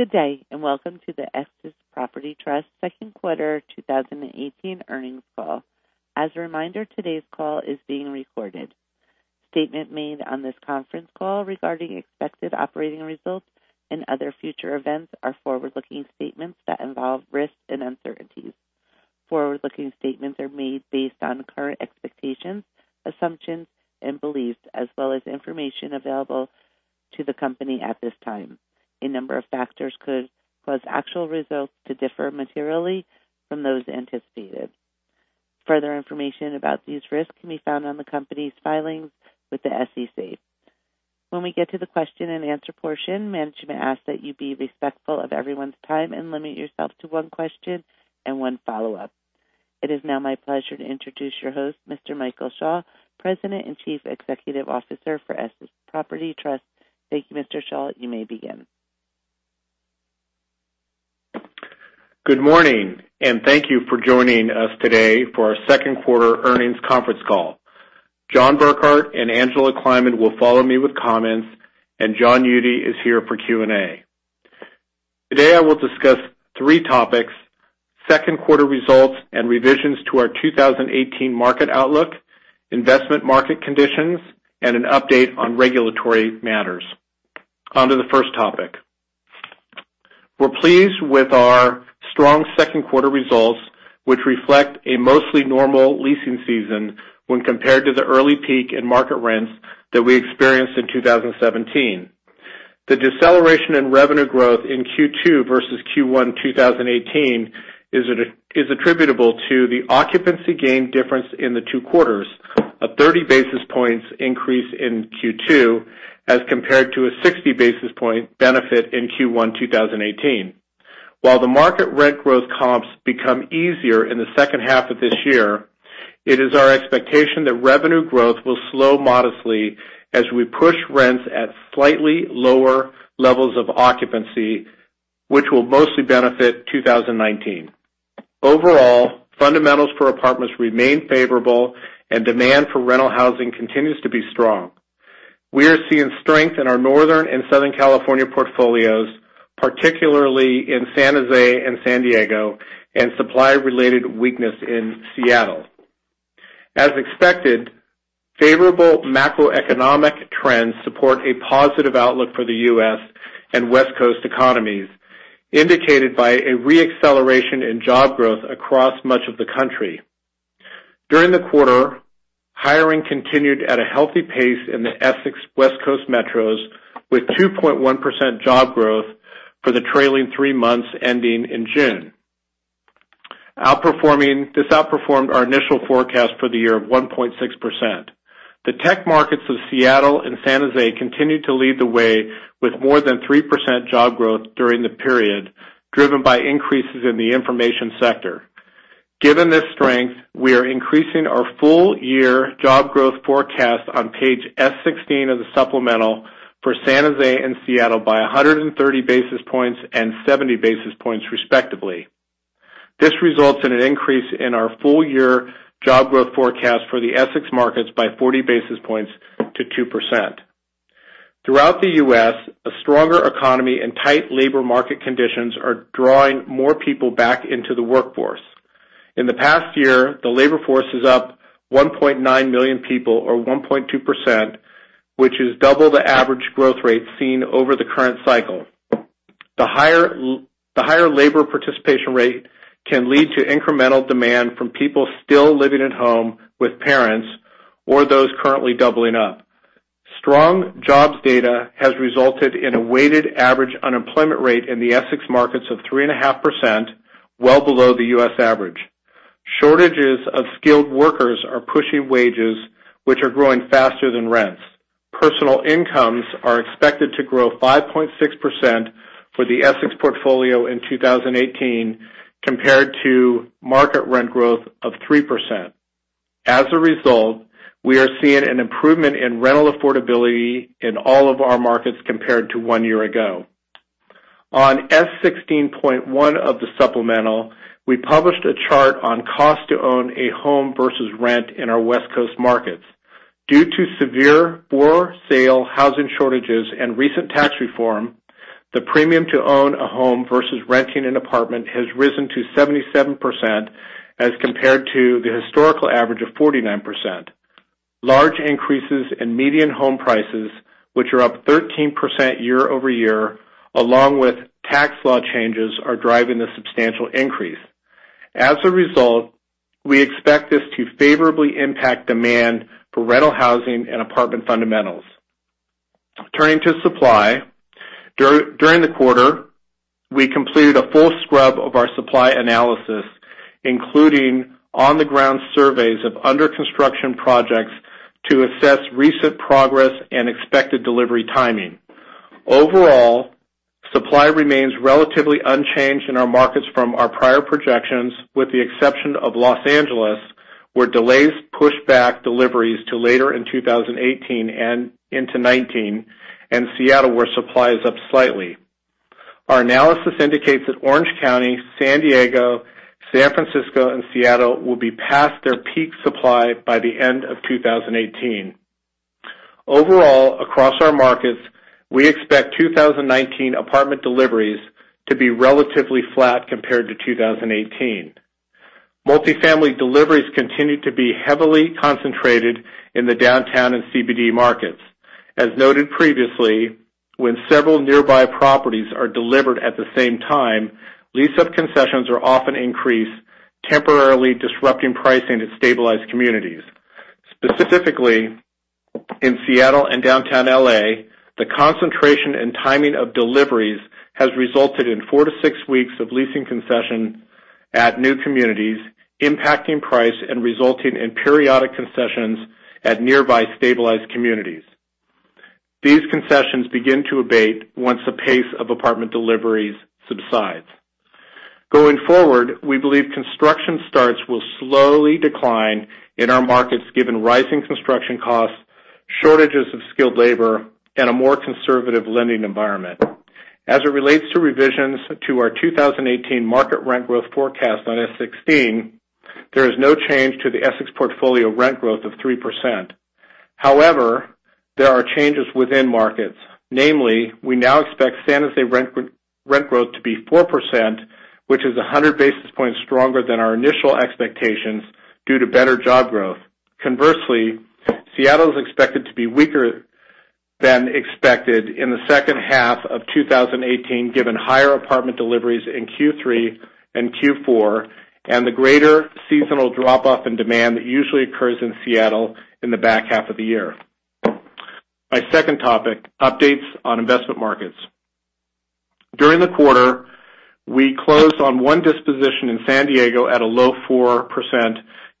Good day, and welcome to the Essex Property Trust second quarter 2018 earnings call. As a reminder, today's call is being recorded. Statement made on this conference call regarding expected operating results and other future events are forward-looking statements that involve risks and uncertainties. Forward-looking statements are made based on current expectations, assumptions, and beliefs, as well as information available to the company at this time. A number of factors could cause actual results to differ materially from those anticipated. Further information about these risks can be found on the company's filings with the SEC. When we get to the question and answer portion, management asks that you be respectful of everyone's time and limit yourself to one question and one follow-up. It is now my pleasure to introduce your host, Mr. Michael Schall, President and Chief Executive Officer for Essex Property Trust. Thank you, Mr. Schall. You may begin. Good morning, and thank you for joining us today for our second quarter earnings conference call. John Burkart and Angela Kleiman will follow me with comments, and John Eudy is here for Q&A. Today, I will discuss three topics, second quarter results and revisions to our 2018 market outlook, investment market conditions, and an update on regulatory matters. On to the first topic. We're pleased with our strong second quarter results, which reflect a mostly normal leasing season when compared to the early peak in market rents that we experienced in 2017. The deceleration in revenue growth in Q2 versus Q1 2018 is attributable to the occupancy gain difference in the two quarters, a 30 basis points increase in Q2 as compared to a 60 basis point benefit in Q1 2018. While the market rent growth comps become easier in the second half of this year, it is our expectation that revenue growth will slow modestly as we push rents at slightly lower levels of occupancy, which will mostly benefit 2019. Overall, fundamentals for apartments remain favorable, and demand for rental housing continues to be strong. We are seeing strength in our Northern and Southern California portfolios, particularly in San Jose and San Diego, and supply-related weakness in Seattle. As expected, favorable macroeconomic trends support a positive outlook for the U.S. and West Coast economies, indicated by a re-acceleration in job growth across much of the country. During the quarter, hiring continued at a healthy pace in the Essex West Coast metros with 2.1% job growth for the trailing three months ending in June. This outperformed our initial forecast for the year of 1.6%. The tech markets of Seattle and San Jose continued to lead the way with more than 3% job growth during the period driven by increases in the information sector. Given this strength, we are increasing our full-year job growth forecast on page S16 of the supplemental for San Jose and Seattle by 130 basis points and 70 basis points, respectively. This results in an increase in our full-year job growth forecast for the Essex markets by 40 basis points to 2%. Throughout the U.S., a stronger economy and tight labor market conditions are drawing more people back into the workforce. In the past year, the labor force is up 1.9 million people or 1.2%, which is double the average growth rate seen over the current cycle. The higher labor participation rate can lead to incremental demand from people still living at home with parents or those currently doubling up. Strong jobs data has resulted in a weighted average unemployment rate in the Essex markets of 3.5%, well below the U.S. average. Shortages of skilled workers are pushing wages, which are growing faster than rents. Personal incomes are expected to grow 5.6% for the Essex portfolio in 2018 compared to market rent growth of 3%. As a result, we are seeing an improvement in rental affordability in all of our markets compared to one year ago. On S16.1 of the supplemental, we published a chart on cost to own a home versus rent in our West Coast markets. Due to severe for-sale housing shortages and recent tax reform, the premium to own a home versus renting an apartment has risen to 77% as compared to the historical average of 49%. Large increases in median home prices, which are up 13% year-over-year, along with tax law changes, are driving the substantial increase. As a result, we expect this to favorably impact demand for rental housing and apartment fundamentals. Turning to supply. During the quarter, we completed a full scrub of our supply analysis, including on-the-ground surveys of under-construction projects to assess recent progress and expected delivery timing. Overall, supply remains relatively unchanged in our markets from our prior projections, with the exception of Los Angeles where delays push back deliveries to later in 2018 and into 2019, and Seattle, where supply is up slightly. Our analysis indicates that Orange County, San Diego, San Francisco, and Seattle will be past their peak supply by the end of 2018. Overall, across our markets, we expect 2019 apartment deliveries to be relatively flat compared to 2018. Multifamily deliveries continue to be heavily concentrated in the downtown and CBD markets. As noted previously, when several nearby properties are delivered at the same time, lease-up concessions are often increased, temporarily disrupting pricing to stabilize communities. Specifically, in Seattle and downtown L.A., the concentration and timing of deliveries has resulted in four to six weeks of leasing concession at new communities, impacting price and resulting in periodic concessions at nearby stabilized communities. These concessions begin to abate once the pace of apartment deliveries subsides. Going forward, we believe construction starts will slowly decline in our markets given rising construction costs, shortages of skilled labor, and a more conservative lending environment. As it relates to revisions to our 2018 market rent growth forecast on S16, there is no change to the Essex portfolio rent growth of 3%. However, there are changes within markets. Namely, we now expect San Jose rent growth to be 4%, which is 100 basis points stronger than our initial expectations due to better job growth. Conversely, Seattle is expected to be weaker than expected in the second half of 2018, given higher apartment deliveries in Q3 and Q4, and the greater seasonal drop-off in demand that usually occurs in Seattle in the back half of the year. My second topic, updates on investment markets. During the quarter, we closed on one disposition in San Diego at a low 4%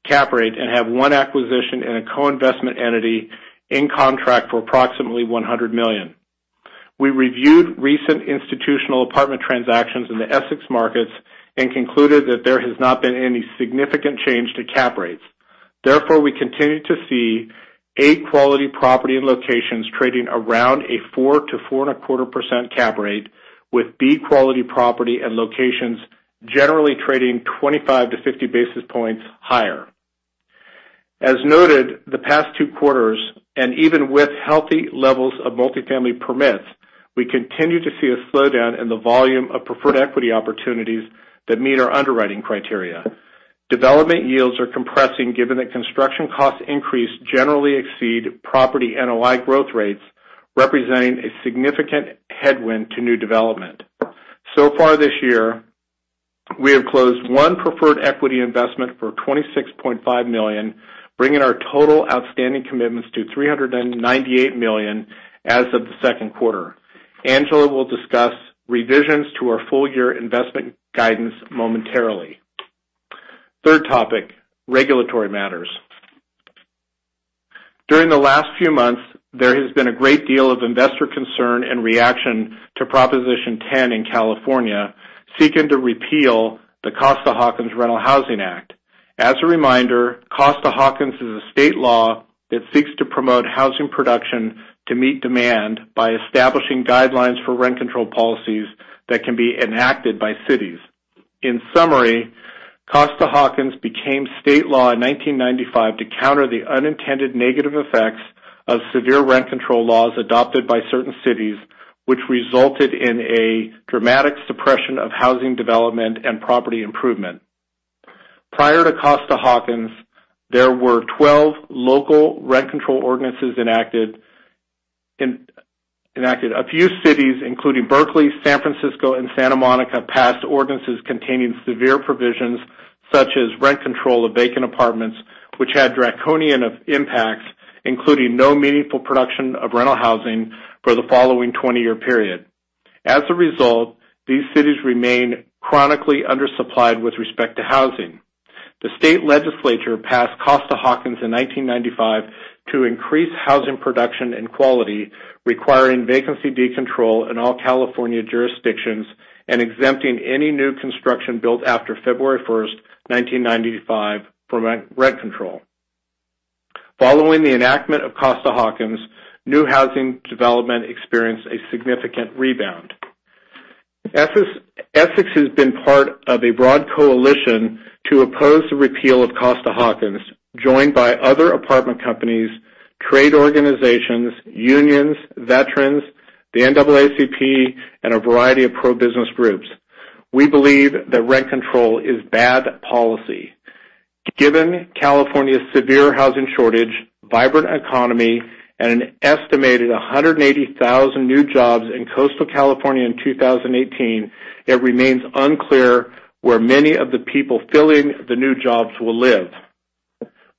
cap rate and have one acquisition in a co-investment entity in contract for approximately $100 million. We reviewed recent institutional apartment transactions in the Essex markets and concluded that there has not been any significant change to cap rates. We continue to see A quality property and locations trading around a 4%-4.25% cap rate with B quality property and locations generally trading 25-50 basis points higher. As noted, the past two quarters, and even with healthy levels of multifamily permits, we continue to see a slowdown in the volume of preferred equity opportunities that meet our underwriting criteria. Development yields are compressing given that construction cost increase generally exceed property NOI growth rates, representing a significant headwind to new development. So far this year, we have closed one preferred equity investment for $26.5 million, bringing our total outstanding commitments to $398 million as of the second quarter. Angela will discuss revisions to our full-year investment guidance momentarily. Third topic, regulatory matters. During the last few months, there has been a great deal of investor concern and reaction to Proposition 10 in California, seeking to repeal the Costa-Hawkins Rental Housing Act. As a reminder, Costa-Hawkins is a state law that seeks to promote housing production to meet demand by establishing guidelines for rent control policies that can be enacted by cities. In summary, Costa-Hawkins became state law in 1995 to counter the unintended negative effects of severe rent control laws adopted by certain cities, which resulted in a dramatic suppression of housing development and property improvement. Prior to Costa-Hawkins, there were 12 local rent control ordinances enacted. A few cities, including Berkeley, San Francisco, and Santa Monica, passed ordinances containing severe provisions such as rent control of vacant apartments, which had draconian impacts, including no meaningful production of rental housing for the following 20-year period. These cities remain chronically undersupplied with respect to housing. The state legislature passed Costa-Hawkins in 1995 to increase housing production and quality, requiring vacancy decontrol in all California jurisdictions and exempting any new construction built after February 1st, 1995 for rent control. Following the enactment of Costa-Hawkins, new housing development experienced a significant rebound. Essex has been part of a broad coalition to oppose the repeal of Costa-Hawkins, joined by other apartment companies, trade organizations, unions, veterans, the NAACP, and a variety of pro-business groups. We believe that rent control is bad policy. Given California's severe housing shortage, vibrant economy, and an estimated 180,000 new jobs in coastal California in 2018, it remains unclear where many of the people filling the new jobs will live.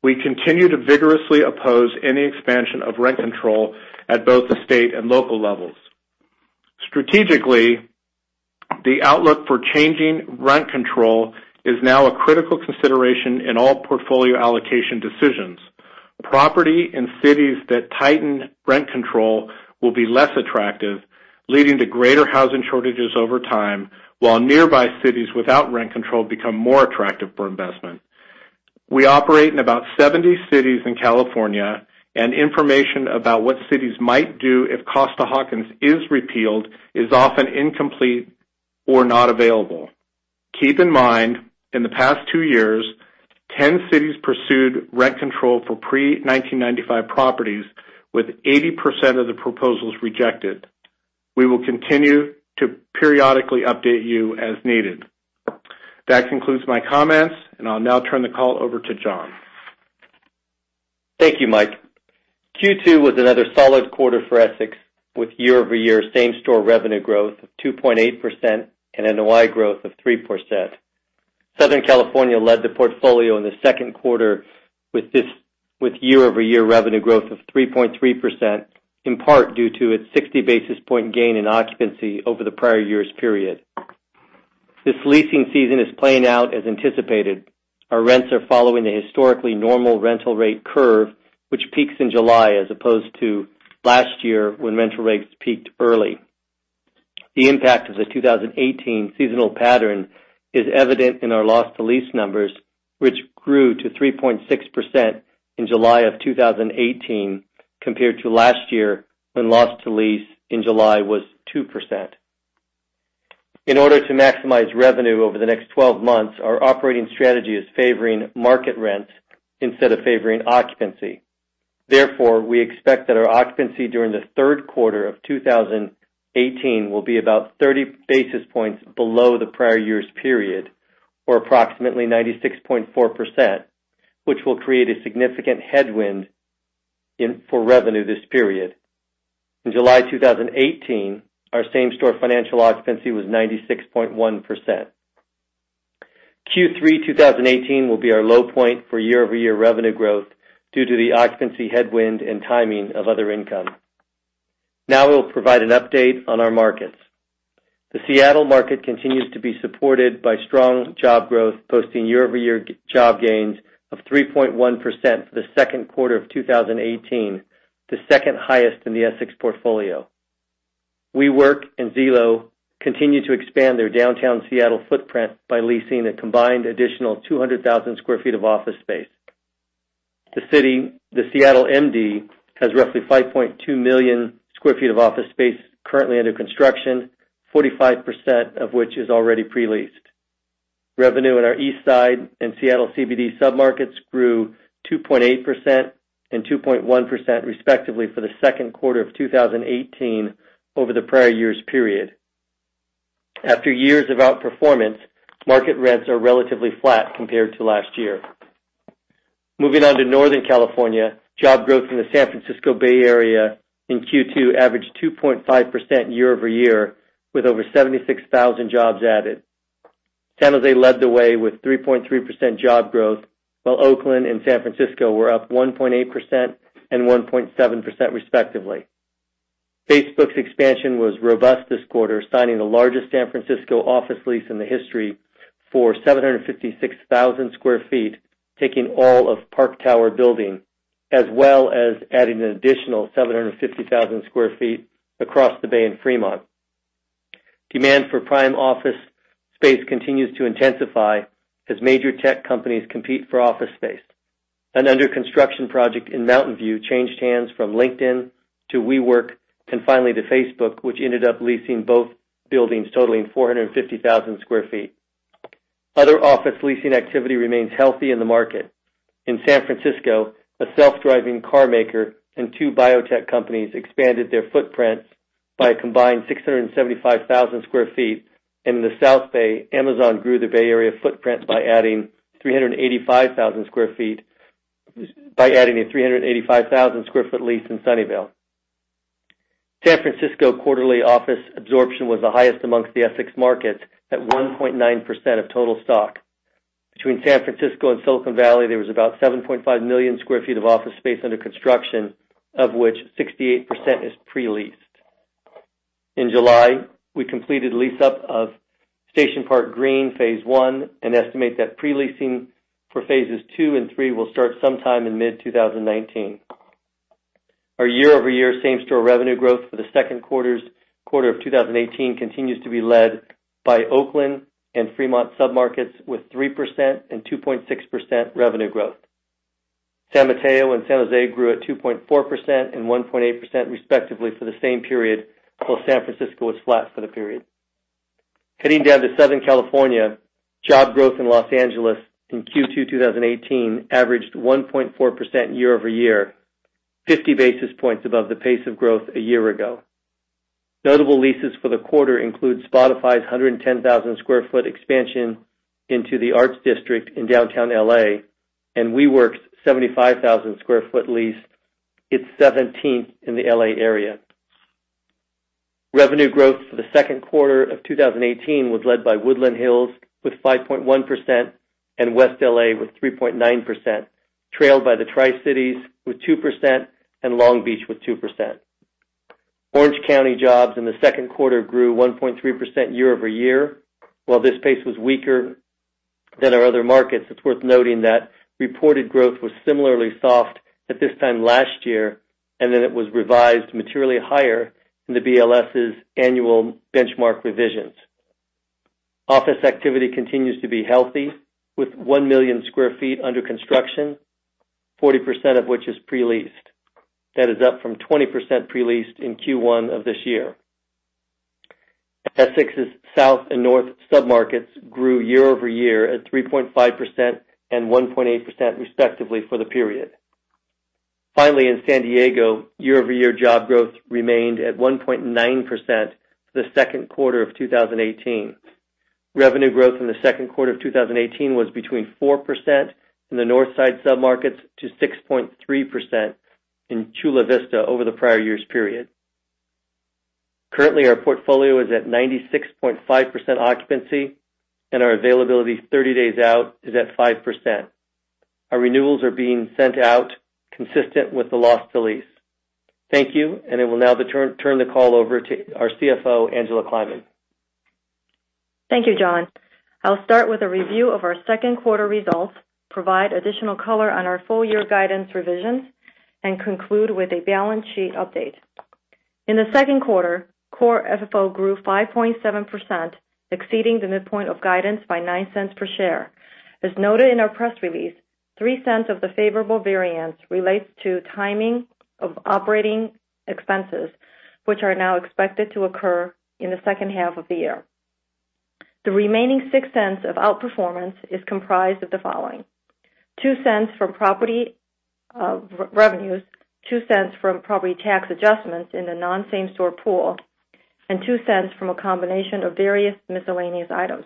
We continue to vigorously oppose any expansion of rent control at both the state and local levels. The outlook for changing rent control is now a critical consideration in all portfolio allocation decisions. Property in cities that tighten rent control will be less attractive, leading to greater housing shortages over time, while nearby cities without rent control become more attractive for investment. We operate in about 70 cities in California, and information about what cities might do if Costa-Hawkins is repealed is often incomplete or not available. Keep in mind, in the past two years, 10 cities pursued rent control for pre-1995 properties, with 80% of the proposals rejected. We will continue to periodically update you as needed. That concludes my comments, and I'll now turn the call over to John. Thank you, Mike. Q2 was another solid quarter for Essex, with year-over-year same-store revenue growth of 2.8% and NOI growth of 3%. Southern California led the portfolio in the second quarter with year-over-year revenue growth of 3.3%, in part due to its 60-basis-point gain in occupancy over the prior year's period. This leasing season is playing out as anticipated. Our rents are following the historically normal rental rate curve, which peaks in July, as opposed to last year, when rental rates peaked early. The impact of the 2018 seasonal pattern is evident in our loss to lease numbers, which grew to 3.6% in July of 2018 compared to last year, when loss to lease in July was 2%. In order to maximize revenue over the next 12 months, our operating strategy is favoring market rents instead of favoring occupancy. We expect that our occupancy during the third quarter of 2018 will be about 30 basis points below the prior year's period, or approximately 96.4%, which will create a significant headwind for revenue this period. In July 2018, our same-store financial occupancy was 96.1%. Q3 2018 will be our low point for year-over-year revenue growth due to the occupancy headwind and timing of other income. Now we'll provide an update on our markets. The Seattle market continues to be supported by strong job growth, posting year-over-year job gains of 3.1% for the second quarter of 2018, the second highest in the Essex portfolio. WeWork and Zillow continue to expand their downtown Seattle footprint by leasing a combined additional 200,000 sq ft of office space. The Seattle MD has roughly 5.2 million sq ft of office space currently under construction, 45% of which is already pre-leased. Revenue in our Eastside and Seattle CBD submarkets grew 2.8% and 2.1% respectively for the second quarter of 2018 over the prior year's period. After years of outperformance, market rents are relatively flat compared to last year. Moving on to Northern California, job growth in the San Francisco Bay Area in Q2 averaged 2.5% year-over-year, with over 76,000 jobs added. San Jose led the way with 3.3% job growth, while Oakland and San Francisco were up 1.8% and 1.7% respectively. Facebook's expansion was robust this quarter, signing the largest San Francisco office lease in the history for 756,000 sq ft, taking all of Park Tower building, as well as adding an additional 750,000 sq ft across the Bay in Fremont. Demand for prime office space continues to intensify as major tech companies compete for office space. An under-construction project in Mountain View changed hands from LinkedIn to WeWork and finally to Facebook, which ended up leasing both buildings totaling 450,000 sq ft. Other office leasing activity remains healthy in the market. In San Francisco, a self-driving car maker and two biotech companies expanded their footprints by a combined 675,000 sq ft. In the South Bay, Amazon grew the Bay Area footprint by adding a 385,000 sq ft lease in Sunnyvale. San Francisco quarterly office absorption was the highest amongst the Essex markets at 1.9% of total stock. Between San Francisco and Silicon Valley, there was about 7.5 million sq ft of office space under construction, of which 68% is pre-leased. In July, we completed lease-up of Station Park Green Phase One and estimate that pre-leasing for phases 2 and 3 will start sometime in mid-2019. Our year-over-year same-store revenue growth for the second quarter of 2018 continues to be led by Oakland and Fremont submarkets with 3% and 2.6% revenue growth. San Mateo and San Jose grew at 2.4% and 1.8% respectively for the same period, while San Francisco was flat for the period. Heading down to Southern California, job growth in L.A. in Q2 2018 averaged 1.4% year-over-year, 50 basis points above the pace of growth a year ago. Notable leases for the quarter include Spotify's 110,000 sq ft expansion into the Arts District in downtown L.A. and WeWork's 75,000 sq ft lease, its 17th in the L.A. area. Revenue growth for the second quarter of 2018 was led by Woodland Hills with 5.1% and West L.A. with 3.9%, trailed by the Tri-Cities with 2% and Long Beach with 2%. Orange County jobs in the second quarter grew 1.3% year-over-year. While this pace was weaker than our other markets, it's worth noting that reported growth was similarly soft at this time last year, then it was revised materially higher in the BLS's annual benchmark revisions. Office activity continues to be healthy with 1 million sq ft under construction, 40% of which is pre-leased. That is up from 20% pre-leased in Q1 of this year. Essex's South and North sub-markets grew year-over-year at 3.5% and 1.8%, respectively, for the period. Finally, in San Diego, year-over-year job growth remained at 1.9% for the second quarter of 2018. Revenue growth in the second quarter of 2018 was between 4% in the Northside submarkets to 6.3% in Chula Vista over the prior year's period. Currently, our portfolio is at 96.5% occupancy, and our availability 30 days out is at 5%. Our renewals are being sent out consistent with the loss to lease. Thank you, I will now turn the call over to our CFO, Angela Kleiman. Thank you, John. I'll start with a review of our second quarter results, provide additional color on our full-year guidance revisions, conclude with a balance sheet update. In the second quarter, Core FFO grew 5.7%, exceeding the midpoint of guidance by $0.09 per share. As noted in our press release, $0.03 of the favorable variance relates to timing of operating expenses, which are now expected to occur in the second half of the year. The remaining $0.06 of outperformance is comprised of the following: $0.02 from property revenues, $0.02 from property tax adjustments in the non-same store pool, and $0.02 from a combination of various miscellaneous items.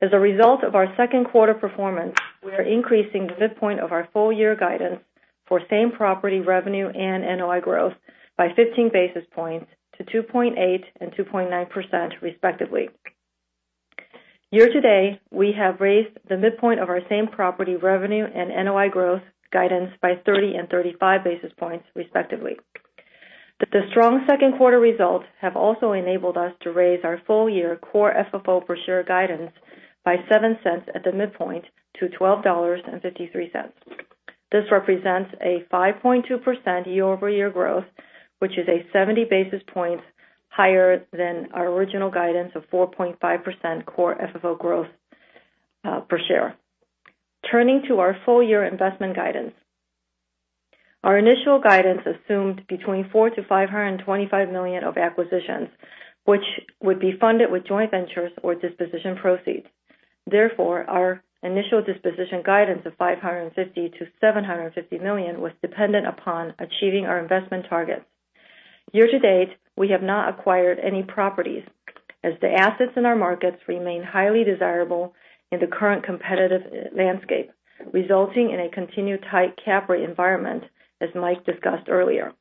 As a result of our second quarter performance, we are increasing the midpoint of our full-year guidance for same property revenue and NOI growth by 15 basis points to 2.8% and 2.9%, respectively. Year-to-date, we have raised the midpoint of our same property revenue and NOI growth guidance by 30 and 35 basis points, respectively. The strong second quarter results have also enabled us to raise our full-year Core FFO per share guidance by $0.07 at the midpoint to $12.53. This represents a 5.2% year-over-year growth, which is a 70 basis point higher than our original guidance of 4.5% Core FFO growth per share. Turning to our full-year investment guidance. Our initial guidance assumed between $4 million to $525 million of acquisitions, which would be funded with joint ventures or disposition proceeds. Therefore, our initial disposition guidance of $550 million to $750 million was dependent upon achieving our investment targets. Year-to-date, we have not acquired any properties as the assets in our markets remain highly desirable in the current competitive landscape, resulting in a continued tight cap rate environment, as Mike discussed earlier.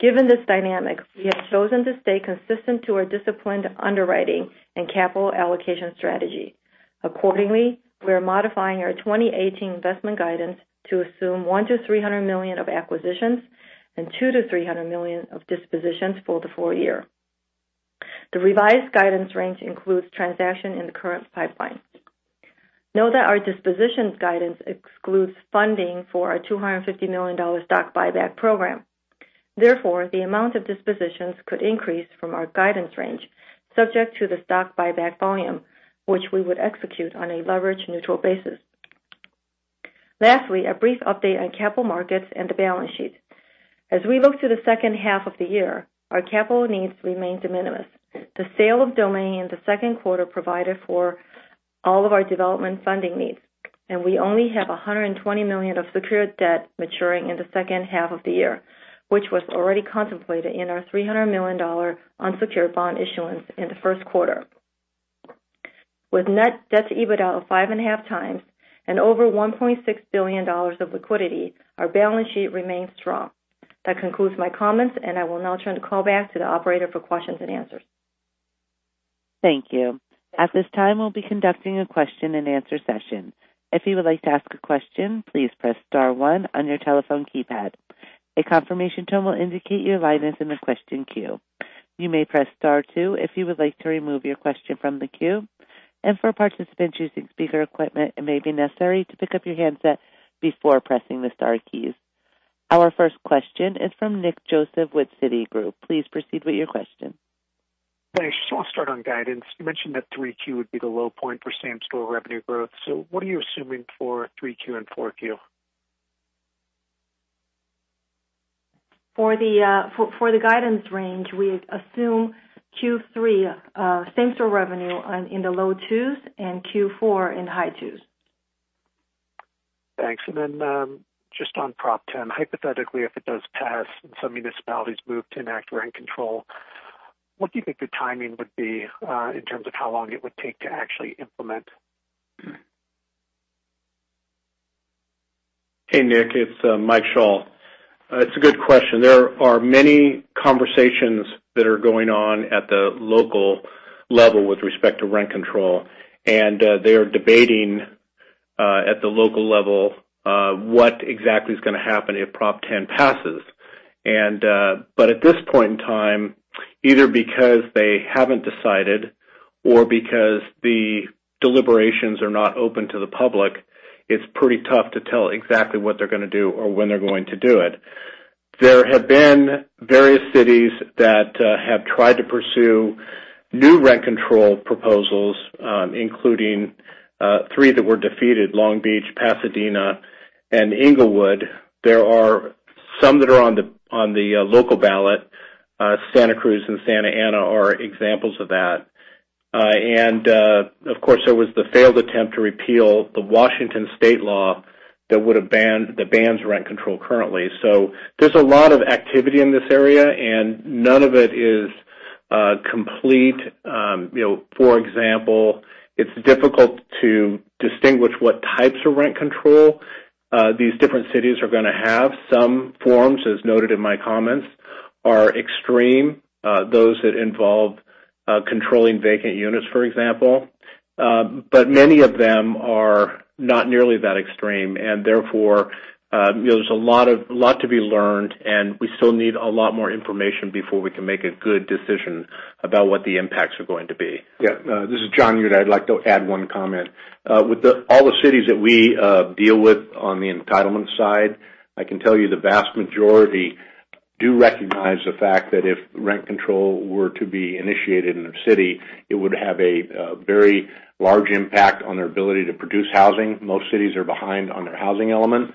Given this dynamic, we have chosen to stay consistent to our disciplined underwriting and capital allocation strategy. Accordingly, we are modifying our 2018 investment guidance to assume $1 million to $300 million of acquisitions and $2 million to $300 million of dispositions for the full year. The revised guidance range includes transaction in the current pipeline. Note that our dispositions guidance excludes funding for our $250 million stock buyback program. Therefore, the amount of dispositions could increase from our guidance range, subject to the stock buyback volume, which we would execute on a leverage-neutral basis. Lastly, a brief update on capital markets and the balance sheet. As we look to the second half of the year, our capital needs remain de minimis. The sale of Domain in the second quarter provided for all of our development funding needs, and we only have $120 million of secured debt maturing in the second half of the year, which was already contemplated in our $300 million unsecured bond issuance in the first quarter. With net debt to EBITDA 5.5 times and over $1.6 billion of liquidity, our balance sheet remains strong. That concludes my comments, and I will now turn the call back to the operator for questions and answers. Thank you. At this time, we'll be conducting a question and answer session. If you would like to ask a question, please press star one on your telephone keypad. A confirmation tone will indicate your line is in the question queue. You may press star two if you would like to remove your question from the queue. For participants using speaker equipment, it may be necessary to pick up your handset before pressing the star keys. Our first question is from Nick Joseph with Citigroup. Please proceed with your question. Thanks. I'll start on guidance. You mentioned that 3Q would be the low point for same-store revenue growth. What are you assuming for 3Q and 4Q? For the guidance range, we assume Q3 same-store revenue in the low twos and Q4 in the high twos. Thanks. Just on Prop Ten, hypothetically, if it does pass and some municipalities move to enact rent control, what do you think the timing would be in terms of how long it would take to actually implement? Hey, Nick. It's Mike Schall. It's a good question. There are many conversations that are going on at the local level with respect to rent control, they are debating At the local level, what exactly is going to happen if Proposition 10 passes. At this point in time, either because they haven't decided or because the deliberations are not open to the public, it's pretty tough to tell exactly what they're going to do or when they're going to do it. There have been various cities that have tried to pursue new rent control proposals, including three that were defeated, Long Beach, Pasadena, and Inglewood. There are some that are on the local ballot. Santa Cruz and Santa Ana are examples of that. Of course, there was the failed attempt to repeal the Washington State law that bans rent control currently. There's a lot of activity in this area, and none of it is complete. For example, it's difficult to distinguish what types of rent control these different cities are going to have. Some forms, as noted in my comments, are extreme, those that involve controlling vacant units, for example. Many of them are not nearly that extreme, and therefore, there's a lot to be learned, and we still need a lot more information before we can make a good decision about what the impacts are going to be. Yeah. This is John Eudy. I'd like to add one comment. With all the cities that we deal with on the entitlement side, I can tell you the vast majority do recognize the fact that if rent control were to be initiated in their city, it would have a very large impact on their ability to produce housing. Most cities are behind on their housing element,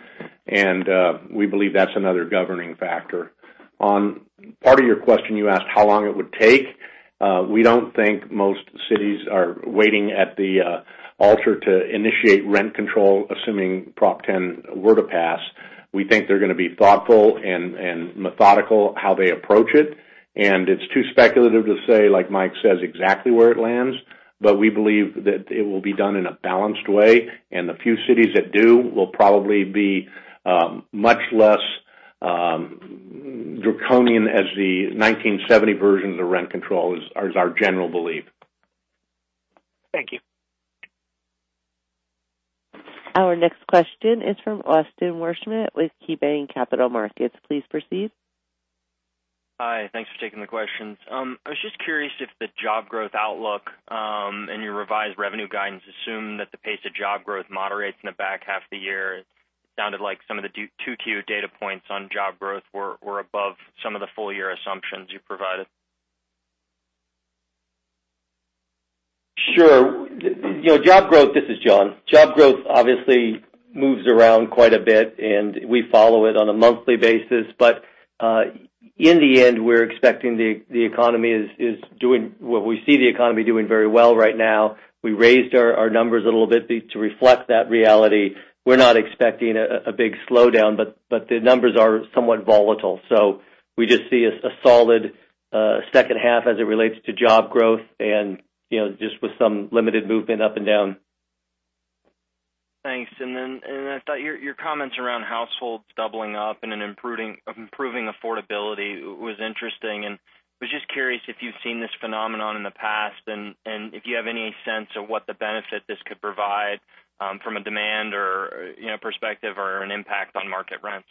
and we believe that's another governing factor. On part of your question, you asked how long it would take. We don't think most cities are waiting at the altar to initiate rent control, assuming Proposition 10 were to pass. We think they're going to be thoughtful and methodical how they approach it, and it's too speculative to say, like Mike says, exactly where it lands. We believe that it will be done in a balanced way, and the few cities that do will probably be much less draconian as the 1970 version of the rent control, is our general belief. Thank you. Our next question is from Austin Wurschmidt with KeyBanc Capital Markets. Please proceed. Hi. Thanks for taking the questions. I was just curious if the job growth outlook in your revised revenue guidance assumed that the pace of job growth moderates in the back half of the year. It sounded like some of the 2Q data points on job growth were above some of the full-year assumptions you provided. Sure. This is John. Job growth obviously moves around quite a bit, and we follow it on a monthly basis. In the end, we see the economy doing very well right now. We raised our numbers a little bit to reflect that reality. We're not expecting a big slowdown, the numbers are somewhat volatile. We just see a solid second half as it relates to job growth and just with some limited movement up and down. Thanks. I thought your comments around households doubling up and improving affordability was interesting, and was just curious if you've seen this phenomenon in the past, and if you have any sense of what the benefit this could provide from a demand perspective or an impact on market rents.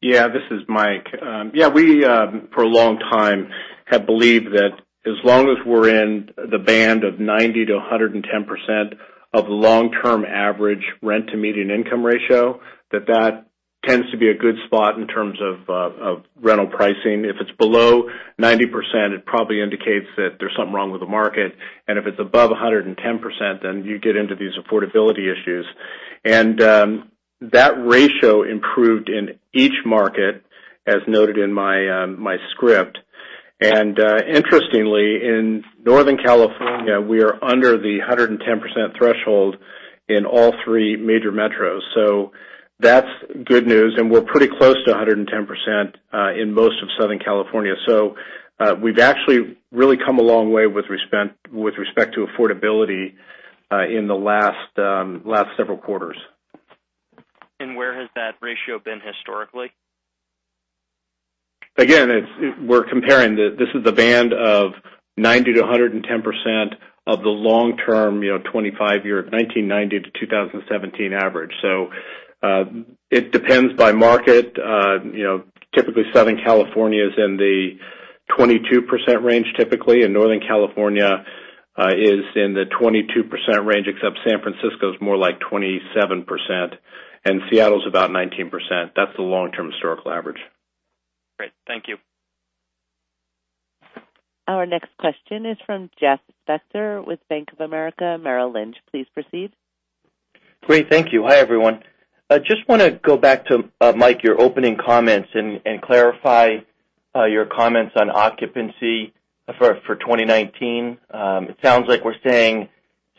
Yeah. This is Mike. Yeah, we, for a long time, have believed that as long as we're in the band of 90%-110% of long-term average rent to median income ratio, that tends to be a good spot in terms of rental pricing. If it's below 90%, it probably indicates that there's something wrong with the market. If it's above 110%, then you get into these affordability issues. That ratio improved in each market, as noted in my script. Interestingly, in Northern California, we are under the 110% threshold in all three major metros. That's good news, and we're pretty close to 110% in most of Southern California. We've actually really come a long way with respect to affordability in the last several quarters. Where has that ratio been historically? Again, we're comparing. This is the band of 90%-110% of the long-term 1990 to 2017 average. It depends by market. Typically, Southern California is in the 22% range, typically, and Northern California is in the 22% range, except San Francisco is more like 27%, and Seattle's about 19%. That's the long-term historical average. Great. Thank you. Our next question is from Jeffrey Spector with Bank of America Merrill Lynch. Please proceed. Great. Thank you. Hi, everyone. I just want to go back to, Mike, your opening comments and clarify your comments on occupancy for 2019. It sounds like we're saying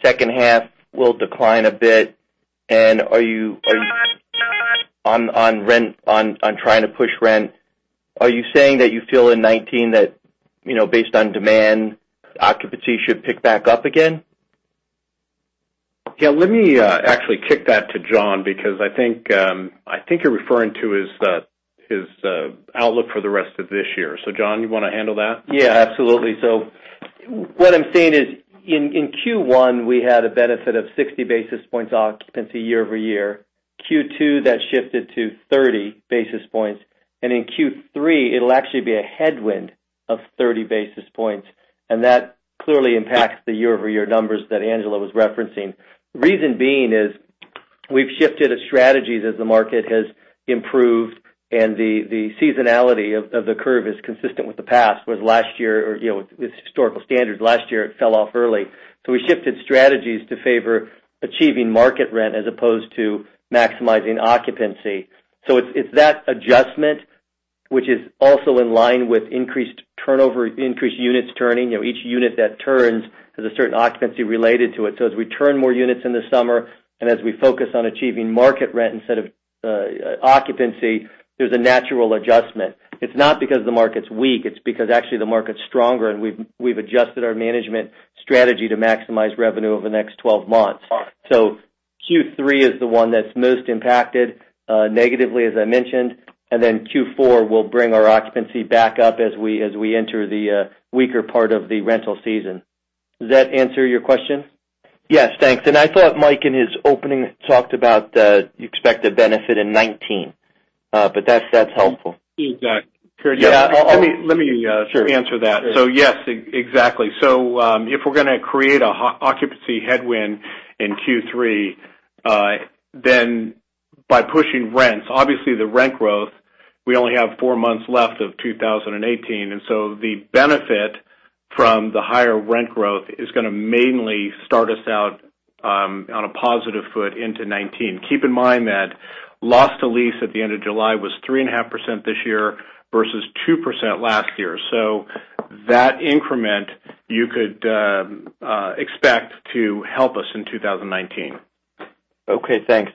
second half will decline a bit. On trying to push rent, are you saying that you feel in '19 that based on demand, occupancy should pick back up again? Yeah, let me actually kick that to John because I think you're referring to is the His outlook for the rest of this year. John, you want to handle that? Yeah, absolutely. What I'm saying is in Q1, we had a benefit of 60 basis points occupancy year-over-year. Q2, that shifted to 30 basis points, in Q3, it'll actually be a headwind of 30 basis points, that clearly impacts the year-over-year numbers that Angela Kleiman was referencing. The reason being is we've shifted strategies as the market has improved and the seasonality of the curve is consistent with the past, with last year or with historical standards. Last year, it fell off early. We shifted strategies to favor achieving market rent as opposed to maximizing occupancy. It's that adjustment, which is also in line with increased turnover, increased units turning. Each unit that turns has a certain occupancy related to it. As we turn more units in the summer, and as we focus on achieving market rent instead of occupancy, there's a natural adjustment. It's not because the market's weak, it's because actually the market's stronger, we've adjusted our management strategy to maximize revenue over the next 12 months. Q3 is the one that's most impacted negatively, as I mentioned, Q4 will bring our occupancy back up as we enter the weaker part of the rental season. Does that answer your question? Yes, thanks. I thought Mike in his opening, talked about the expected benefit in 2019, that's helpful. Exactly. Yeah. Let me- Sure answer that. Yes, exactly. If we're going to create a occupancy headwind in Q3, then by pushing rents, obviously the rent growth, we only have four months left of 2018, and so the benefit from the higher rent growth is going to mainly start us out on a positive foot into 2019. Keep in mind that loss to lease at the end of July was 3.5% this year versus 2% last year. That increment you could expect to help us in 2019. Okay, thanks.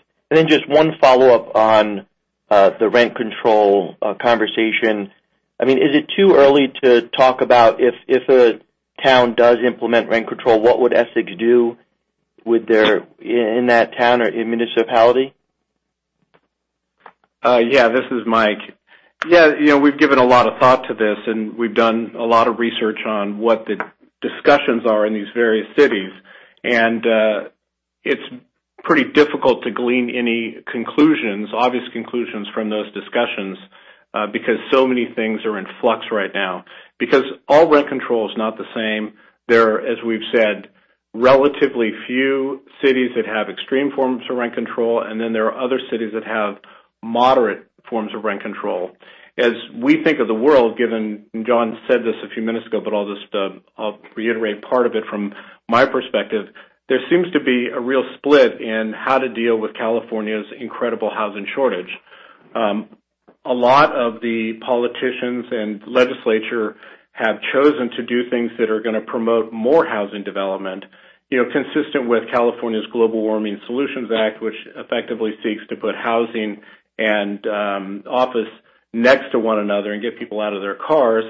Just one follow-up on the rent control conversation. Is it too early to talk about if a town does implement rent control, what would Essex do in that town or in municipality? This is Mike. We've given a lot of thought to this, and we've done a lot of research on what the discussions are in these various cities. It's pretty difficult to glean any conclusions, obvious conclusions from those discussions, because so many things are in flux right now, because all rent control is not the same. There are, as we've said, relatively few cities that have extreme forms of rent control, and then there are other cities that have moderate forms of rent control. As we think of the world, given, and John said this a few minutes ago, but I'll reiterate part of it from my perspective, there seems to be a real split in how to deal with California's incredible housing shortage. A lot of the politicians and legislature have chosen to do things that are going to promote more housing development, consistent with California's Global Warming Solutions Act, which effectively seeks to put housing and office next to one another and get people out of their cars.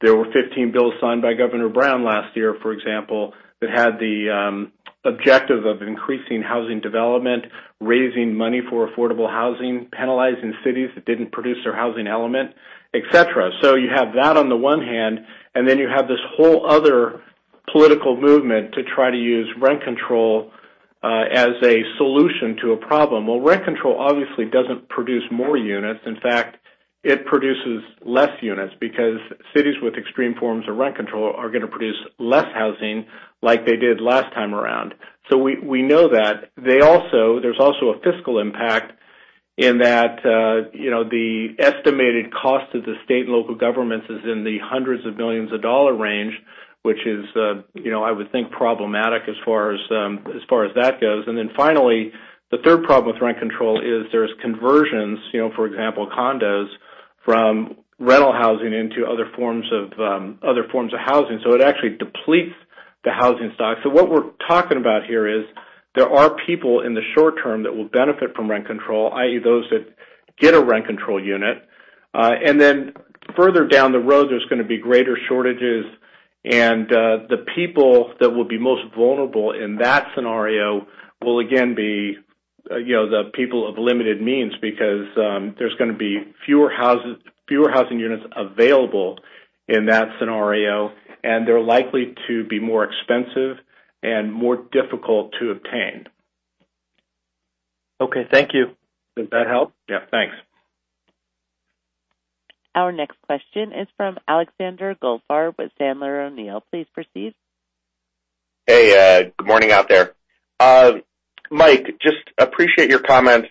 There were 15 bills signed by Governor Brown last year, for example, that had the objective of increasing housing development, raising money for affordable housing, penalizing cities that didn't produce their housing element, et cetera. You have that on the one hand, and then you have this whole other political movement to try to use rent control as a solution to a problem. Rent control obviously doesn't produce more units. In fact, it produces less units because cities with extreme forms of rent control are going to produce less housing like they did last time around. We know that. There's also a fiscal impact in that the estimated cost of the state and local governments is in the hundreds of millions of dollar range, which is, I would think, problematic as far as that goes. Finally, the third problem with rent control is there's conversions. For example, condos from rental housing into other forms of housing, so it actually depletes the housing stock. What we're talking about here is there are people in the short term that will benefit from rent control, i.e., those that get a rent control unit. Further down the road, there's going to be greater shortages, and the people that will be most vulnerable in that scenario will again be the people of limited means because there's going to be fewer housing units available in that scenario, and they're likely to be more expensive and more difficult to obtain. Okay, thank you. Did that help? Yeah, thanks. Our next question is from Alexander Goldfarb with Sandler O'Neill. Please proceed. Hey, good morning out there. Mike, I just appreciate your comments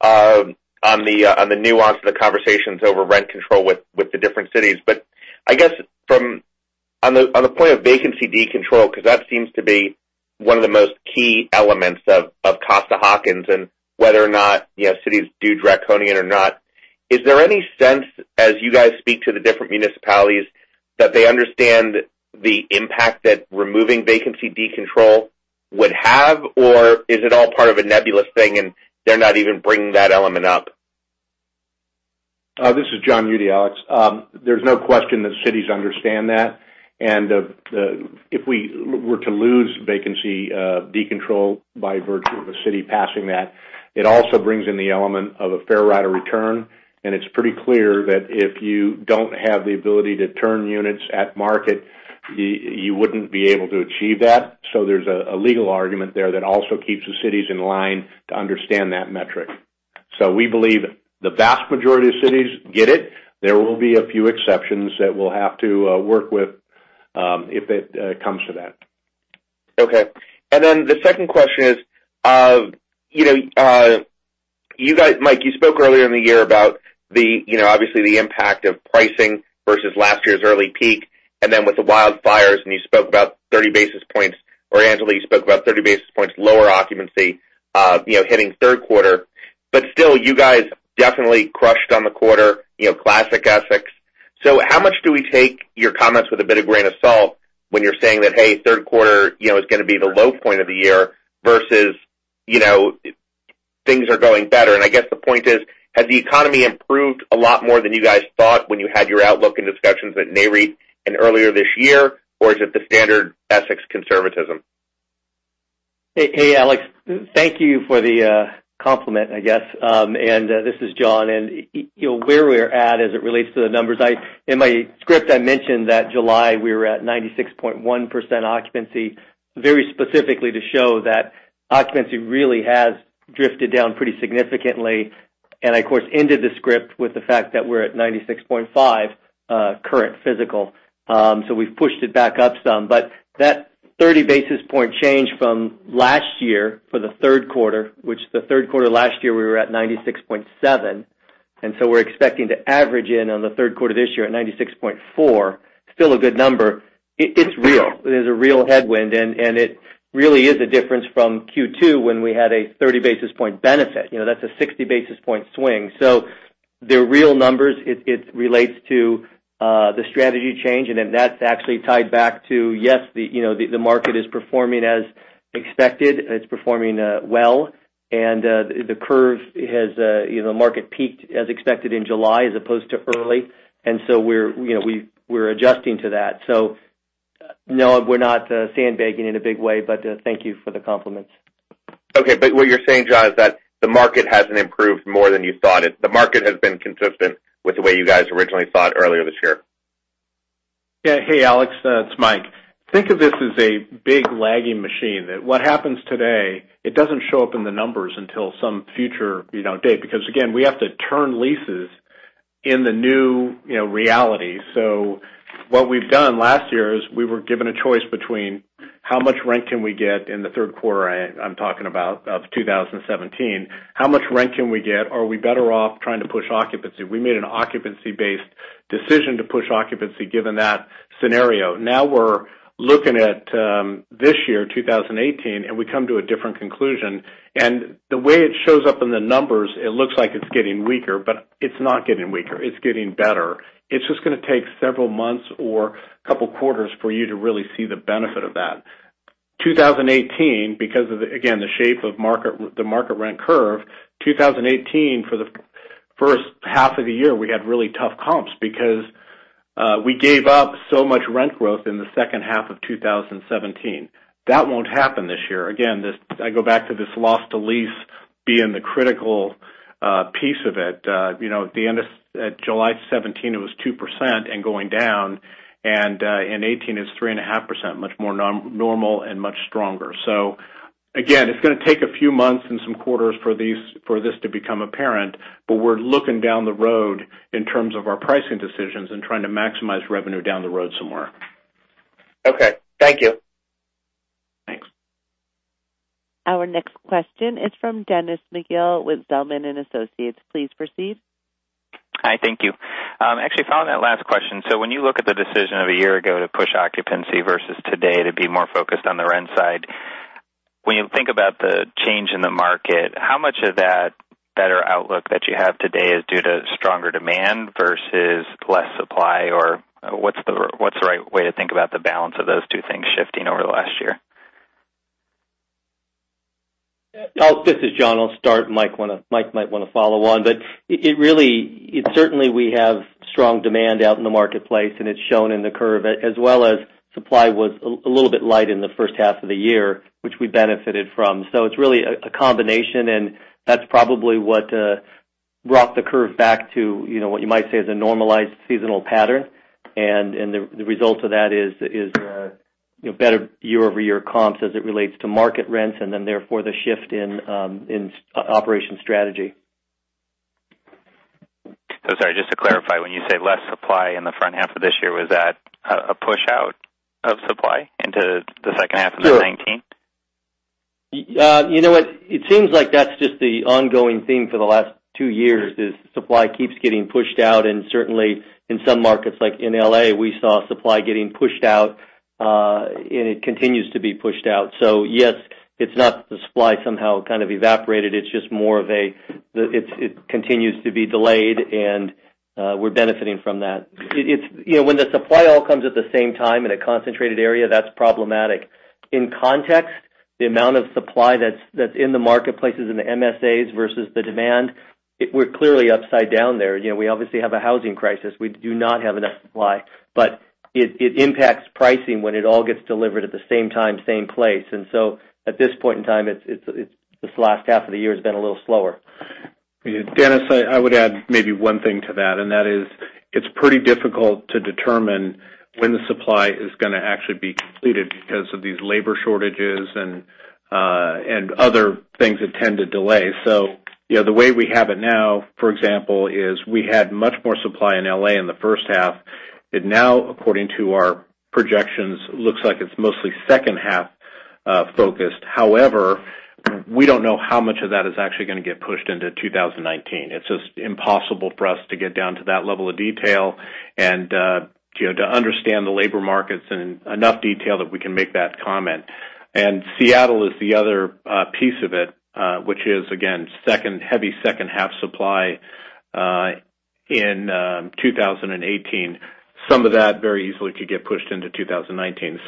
on the nuance of the conversations over rent control with the different cities. I guess on the point of vacancy decontrol, because that seems to be one of the most key elements of Costa-Hawkins and whether or not cities do draconian or not. Is there any sense, as you guys speak to the different municipalities, that they understand the impact that removing vacancy decontrol would have, or is it all part of a nebulous thing and they're not even bringing that element up? This is John Eudy, Alex. There's no question that cities understand that If we were to lose vacancy decontrol by virtue of the city passing that, it also brings in the element of a fair rate of return, and it's pretty clear that if you don't have the ability to turn units at market, you wouldn't be able to achieve that. There's a legal argument there that also keeps the cities in line to understand that metric. We believe the vast majority of cities get it. There will be a few exceptions that we'll have to work with, if it comes to that. Okay. The second question is, Mike, you spoke earlier in the year about obviously the impact of pricing versus last year's early peak, and then with the wildfires, you spoke about 30 basis points, or Angela, you spoke about 30 basis points, lower occupancy, hitting third quarter. Still, you guys definitely crushed on the quarter, classic Essex. How much do we take your comments with a bit of grain of salt when you're saying that, hey, third quarter is going to be the low point of the year versus things are going better. I guess the point is, has the economy improved a lot more than you guys thought when you had your outlook and discussions at NAREIT and earlier this year? Or is it the standard Essex conservatism? Hey, Alex, thank you for the compliment, I guess. This is John, where we're at as it relates to the numbers, in my script, I mentioned that July we were at 96.1% occupancy, very specifically to show that occupancy really has drifted down pretty significantly. I, of course, ended the script with the fact that we're at 96.5 current physical. We've pushed it back up some. That 30 basis point change from last year for the third quarter, which the third quarter last year, we were at 96.7, we're expecting to average in on the third quarter of this year at 96.4, still a good number. It's real. It is a real headwind, and it really is a difference from Q2 when we had a 30 basis point benefit. That's a 60 basis point swing. They're real numbers. It relates to the strategy change, that's actually tied back to, yes, the market is performing as expected, it's performing well. The curve has The market peaked as expected in July as opposed to early, we're adjusting to that. No, we're not sandbagging in a big way, but thank you for the compliments. Okay. What you're saying, John, is that the market hasn't improved more than you thought it. The market has been consistent with the way you guys originally thought earlier this year. Yeah. Hey, Alex, it's Mike. Think of this as a big lagging machine, that what happens today, it doesn't show up in the numbers until some future day, because again, we have to turn leases in the new reality. What we've done last year is we were given a choice between how much rent can we get in the third quarter, I'm talking about of 2017. How much rent can we get? Are we better off trying to push occupancy? We made an occupancy-based decision to push occupancy given that scenario. We're looking at this year, 2018, we come to a different conclusion. The way it shows up in the numbers, it looks like it's getting weaker, it's not getting weaker. It's getting better. It's just going to take several months or couple quarters for you to really see the benefit of that. 2018, because of, again, the shape of the market rent curve, 2018, for the first half of the year, we had really tough comps because we gave up so much rent growth in the second half of 2017. That won't happen this year. I go back to this loss to lease being the critical piece of it. At July 2017, it was 2% and going down, in 2018, it's 3.5%, much more normal and much stronger. Again, it's going to take a few months and some quarters for this to become apparent, we're looking down the road in terms of our pricing decisions and trying to maximize revenue down the road somewhere. Okay. Thank you. Thanks. Our next question is from Dennis McGill with Zelman & Associates. Please proceed. Hi. Thank you. Actually, following that last question, when you look at the decision of a year ago to push occupancy versus today to be more focused on the rent side, when you think about the change in the market, how much of that better outlook that you have today is due to stronger demand versus less supply? What's the right way to think about the balance of those two things shifting over the last year? This is John. I'll start. Mike might want to follow on, certainly, we have strong demand out in the marketplace. It's shown in the curve, as well as supply was a little bit light in the first half of the year, which we benefited from. It's really a combination. That's probably what brought the curve back to what you might say is a normalized seasonal pattern. The result of that is better year-over-year comps as it relates to market rents, then therefore, the shift in operation strategy. Sorry, just to clarify, when you say less supply in the front half of this year, was that a push-out of supply into the second half into 2019? Sure. You know what? It seems like that's just the ongoing theme for the last two years is supply keeps getting pushed out, and certainly in some markets, like in L.A., we saw supply getting pushed out, and it continues to be pushed out. Yes, it's not the supply somehow kind of evaporated. It continues to be delayed, and we're benefiting from that. When the supply all comes at the same time in a concentrated area, that's problematic. In context, the amount of supply that's in the marketplaces, in the MSAs versus the demand, we're clearly upside down there. We obviously have a housing crisis. We do not have enough supply. It impacts pricing when it all gets delivered at the same time, same place. At this point in time, this last half of the year has been a little slower. Dennis, I would add maybe one thing to that, and that is, it's pretty difficult to determine when the supply is going to actually be completed because of these labor shortages and other things that tend to delay. The way we have it now, for example, is we had much more supply in L.A. in the first half. It now, according to our projections, looks like it's mostly second half focused. However, we don't know how much of that is actually going to get pushed into 2019. It's just impossible for us to get down to that level of detail and to understand the labor markets in enough detail that we can make that comment. Seattle is the other piece of it, which is again, heavy second half supply in 2018. Some of that very easily could get pushed into 2019.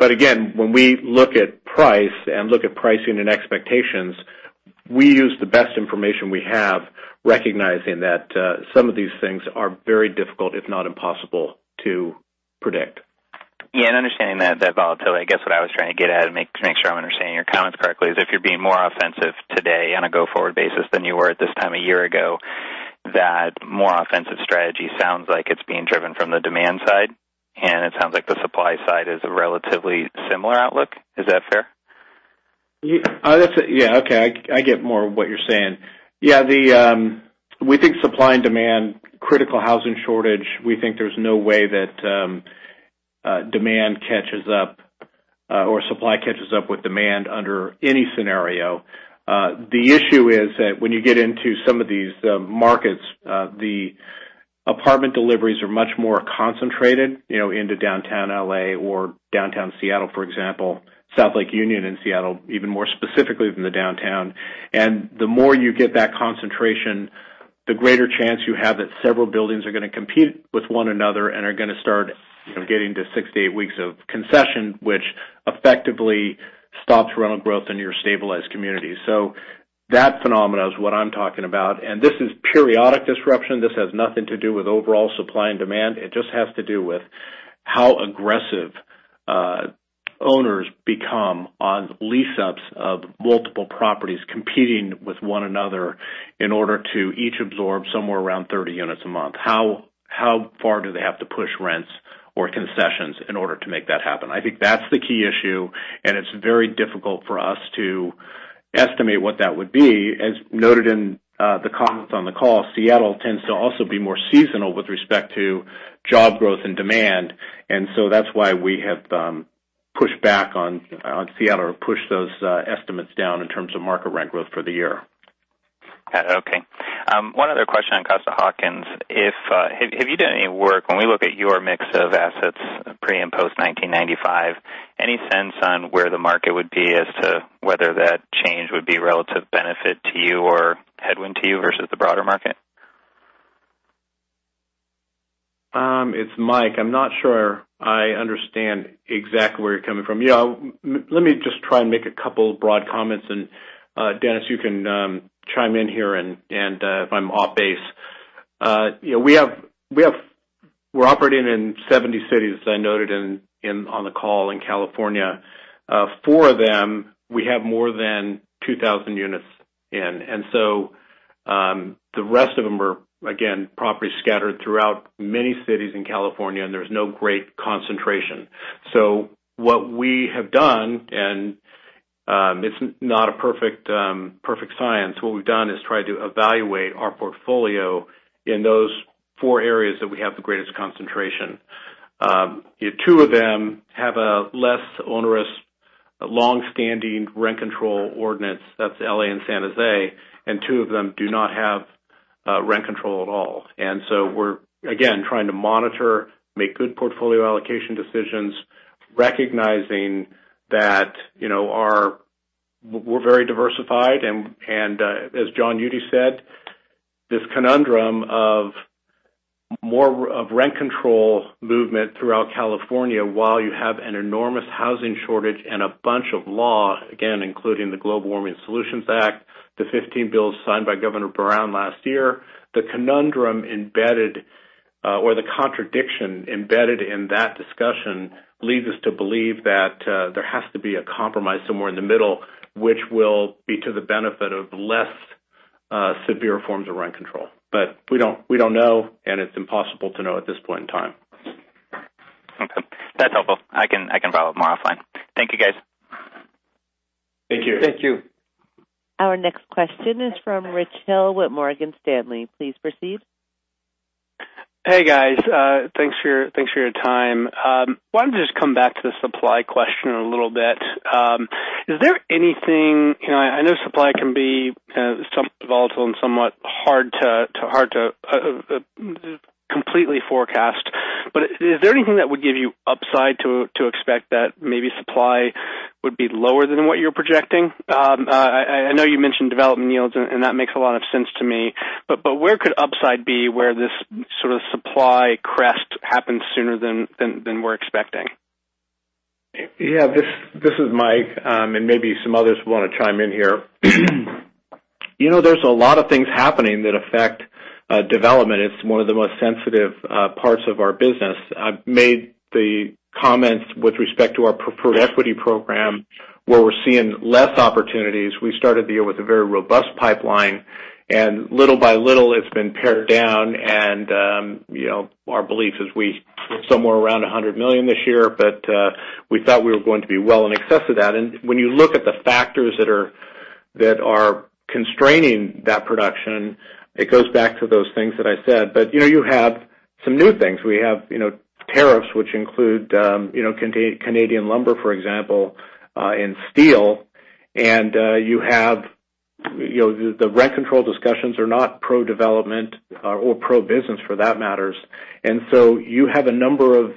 Again, when we look at price and look at pricing and expectations, we use the best information we have, recognizing that some of these things are very difficult, if not impossible to predict. Yeah, understanding that volatility, I guess what I was trying to get at and make sure I'm understanding your comments correctly, is if you're being more offensive today on a go-forward basis than you were at this time a year ago, that more offensive strategy sounds like it's being driven from the demand side, and it sounds like the supply side is a relatively similar outlook. Is that fair? Yeah. Okay. I get more of what you're saying. Yeah, we think supply and demand, critical housing shortage, we think there's no way that demand catches up or supply catches up with demand under any scenario. The issue is that when you get into some of these markets, the apartment deliveries are much more concentrated into Downtown L.A. or Downtown Seattle, for example, South Lake Union in Seattle, even more specifically than the downtown. The more you get that concentration, the greater chance you have that several buildings are going to compete with one another and are going to start getting to six to eight weeks of concession, which effectively stops rental growth in your stabilized community. That phenomenon is what I'm talking about, and this is periodic disruption. This has nothing to do with overall supply and demand. It just has to do with how aggressive owners become on lease-ups of multiple properties competing with one another in order to each absorb somewhere around 30 units a month. How far do they have to push rents or concessions in order to make that happen? I think that's the key issue, and it's very difficult for us to estimate what that would be. As noted in the comments on the call, Seattle tends to also be more seasonal with respect to job growth and demand, that's why we have pushed back on Seattle or pushed those estimates down in terms of market rent growth for the year. Okay. One other question on Costa-Hawkins. Have you done any work, when we look at your mix of assets pre and post-1995, any sense on where the market would be as to whether that change would be a relative benefit to you or headwind to you versus the broader market? It's Mike. I'm not sure I understand exactly where you're coming from. Let me just try and make a couple of broad comments, Dennis, you can chime in here and if I'm off base. We're operating in 70 cities, as I noted on the call in California. Four of them, we have more than 2,000 units in. The rest of them are, again, properties scattered throughout many cities in California, and there's no great concentration. What we have done, and it's not a perfect science, what we've done is try to evaluate our portfolio in those four areas that we have the greatest concentration. Two of them have a less onerous, long-standing rent control ordinance, that's L.A. and San Jose, and two of them do not have rent control at all. We're, again, trying to monitor, make good portfolio allocation decisions, recognizing that we're very diversified, and as John Eudy said, this conundrum of more of rent control movement throughout California while you have an enormous housing shortage and a bunch of law, again, including the Global Warming Solutions Act, the 15 bills signed by Governor Brown last year. The conundrum embedded, or the contradiction embedded in that discussion leads us to believe that there has to be a compromise somewhere in the middle, which will be to the benefit of less severe forms of rent control. We don't know, and it's impossible to know at this point in time. Okay. That's helpful. I can follow up more offline. Thank you, guys. Thank you. Thank you. Our next question is from Richard Hill with Morgan Stanley. Please proceed. Hey, guys. Thanks for your time. Wanted to just come back to the supply question a little bit. Is there anything, I know supply can be somewhat volatile and somewhat hard to completely forecast, but is there anything that would give you upside to expect that maybe supply would be lower than what you're projecting? I know you mentioned development yields, and that makes a lot of sense to me, but where could upside be where this sort of supply crest happen sooner than we're expecting? Yeah. This is Mike, and maybe some others want to chime in here. There's a lot of things happening that affect development. It's one of the most sensitive parts of our business. I've made the comments with respect to our preferred equity program, where we're seeing less opportunities. We started the year with a very robust pipeline, and little by little, it's been pared down and our belief is we sit somewhere around $100 million this year, but we thought we were going to be well in excess of that. When you look at the factors that are constraining that production, it goes back to those things that I said. You have some new things. We have tariffs, which include Canadian lumber, for example, and steel. The rent control discussions are not pro-development or pro-business for that matter. You have a number of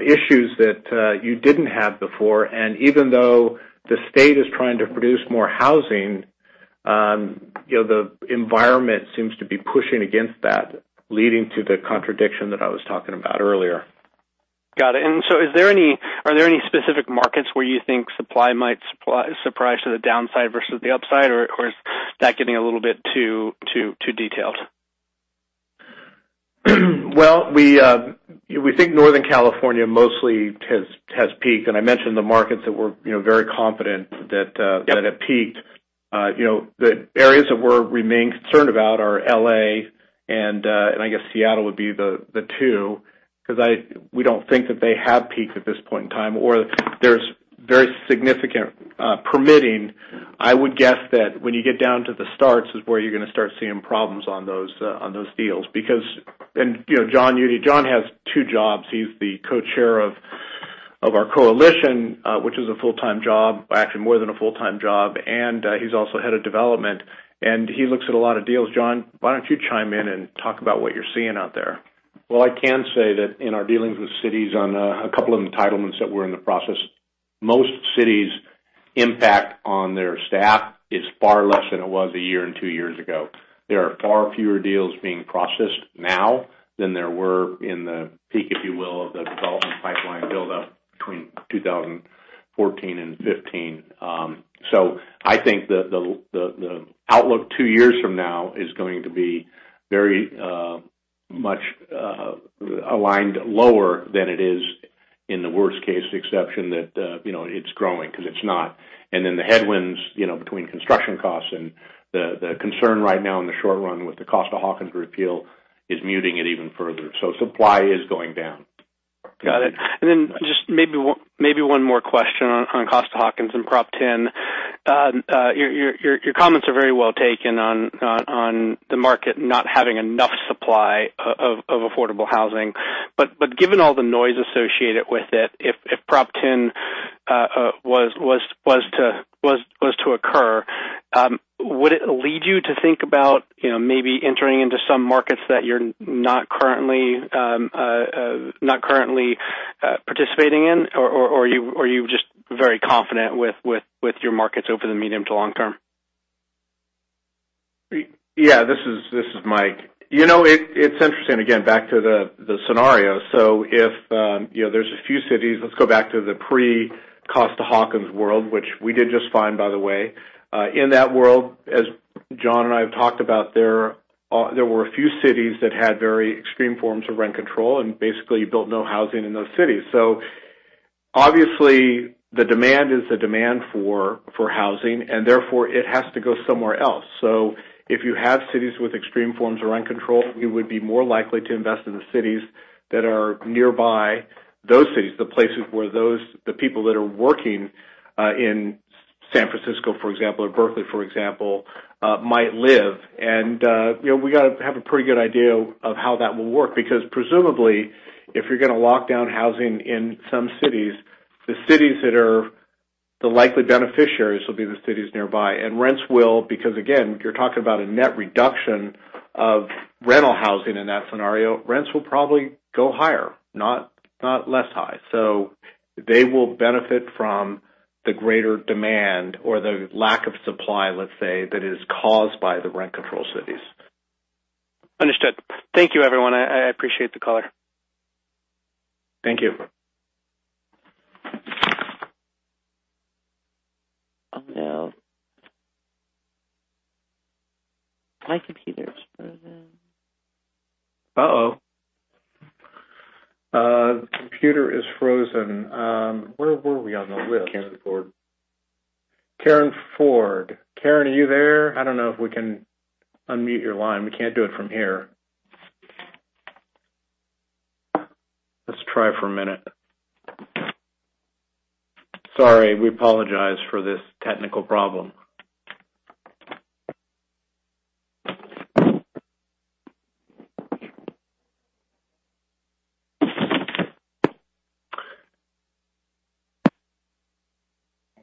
issues that you didn't have before, even though the state is trying to produce more housing, the environment seems to be pushing against that, leading to the contradiction that I was talking about earlier. Got it. Are there any specific markets where you think supply might surprise to the downside versus the upside, or is that getting a little bit too detailed? Well, we think Northern California mostly has peaked, I mentioned the markets that we're very confident that have peaked. The areas that we remain concerned about are L.A. and I guess Seattle would be the two, because we don't think that they have peaked at this point in time, or there's very significant permitting. I would guess that when you get down to the starts is where you're going to start seeing problems on those deals. Because, John Eudy, John has two jobs. He's the co-chair of our coalition, which is a full-time job, actually more than a full-time job, he's also head of development, and he looks at a lot of deals. John, why don't you chime in and talk about what you're seeing out there? Well, I can say that in our dealings with cities on a couple of entitlements that were in the process, most cities' impact on their staff is far less than it was one year and two years ago. There are far fewer deals being processed now than there were in the peak, if you will, of the development pipeline buildup between 2014 and 2015. I think the outlook two years from now is going to be very much aligned lower than it is in the worst case exception that it's growing, because it's not. The headwinds, between construction costs and the concern right now in the short run with the Costa-Hawkins repeal is muting it even further. Supply is going down. Got it. Just maybe one more question on Costa-Hawkins and Proposition 10. Your comments are very well taken on the market not having enough supply of affordable housing. Given all the noise associated with it, if Proposition 10 was to occur, would it lead you to think about maybe entering into some markets that you're not currently participating in, or are you just very confident with your markets over the medium to long term? Yeah, this is Mike. It's interesting, again, back to the scenario. There's a few cities, let's go back to the pre-Costa-Hawkins world, which we did just fine, by the way. In that world, as John and I have talked about, there were a few cities that had very extreme forms of rent control, basically you built no housing in those cities. Obviously, the demand is the demand for housing, therefore, it has to go somewhere else. If you have cities with extreme forms of rent control, you would be more likely to invest in the cities that are nearby those cities, the places where the people that are working, in San Francisco, for example, or Berkeley, for example, might live. We got to have a pretty good idea of how that will work, because presumably, if you're going to lock down housing in some cities, the cities that are the likely beneficiaries will be the cities nearby. Rents will, because again, you're talking about a net reduction of rental housing in that scenario, rents will probably go higher, not less high. They will benefit from the greater demand or the lack of supply, let's say, that is caused by the rent-controlled cities. Understood. Thank you, everyone. I appreciate the call. Thank you. Oh, no. My computer is frozen. Uh-oh. Computer is frozen. Where were we on the list? Karin Ford. Karin Ford. Karin, are you there? I don't know if we can unmute your line. We can't do it from here. Let's try for a minute. Sorry, we apologize for this technical problem.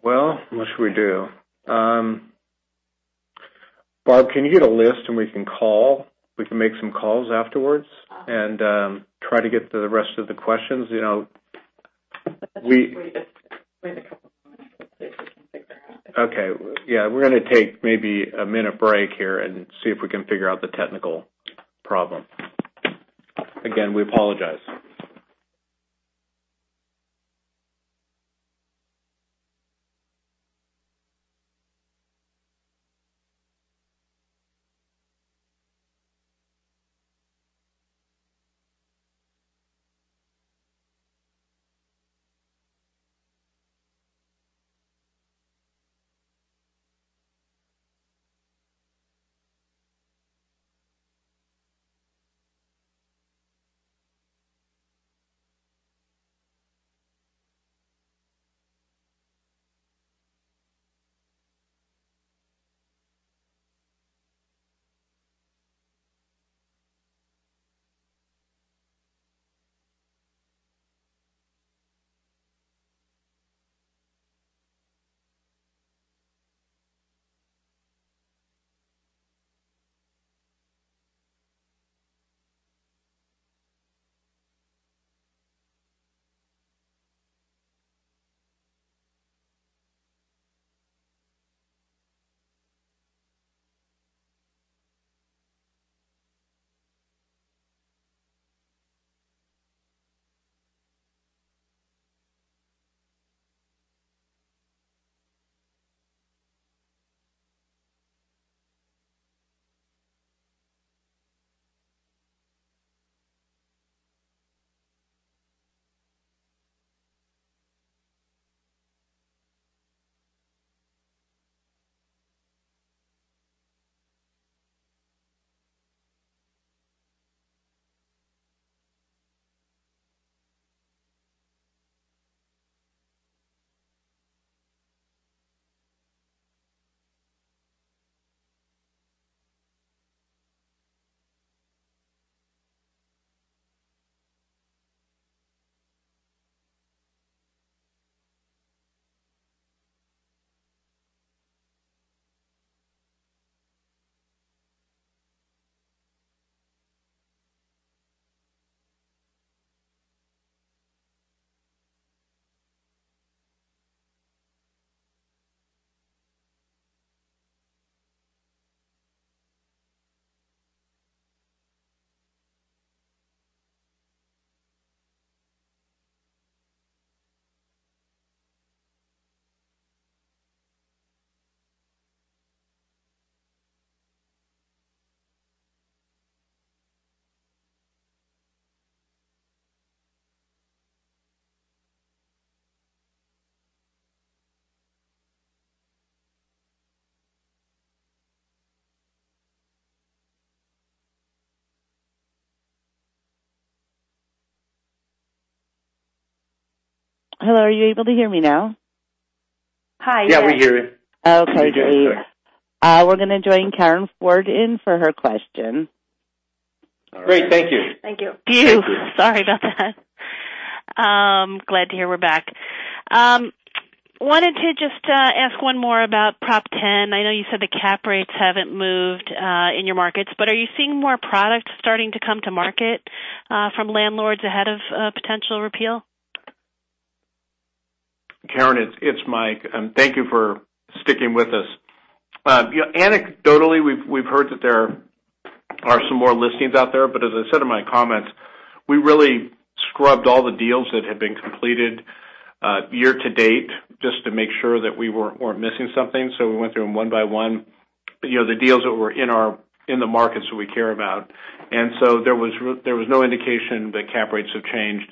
Well, what should we do? Bob, can you get a list and we can call, we can make some calls afterwards and try to get to the rest of the questions? Wait a couple minutes. Okay. Yeah, we're going to take maybe a minute break here and see if we can figure out the technical problem. Again, we apologize. Hello, are you able to hear me now? Yeah, we hear you. Okay, great. Can you guys hear? We're going to join Karin Ford in for her question. All right. Great. Thank you. Thank you. Sorry about that. Glad to hear we're back. Wanted to just ask one more about Proposition 10. I know you said the cap rates haven't moved in your markets, are you seeing more products starting to come to market from landlords ahead of potential repeal? Karin, it's Mike. Thank you for sticking with us. Anecdotally, we've heard that there are some more listings out there, as I said in my comments, we really scrubbed all the deals that had been completed year to date just to make sure that we weren't missing something. We went through them one by one, the deals that were in the markets that we care about. There was no indication that cap rates have changed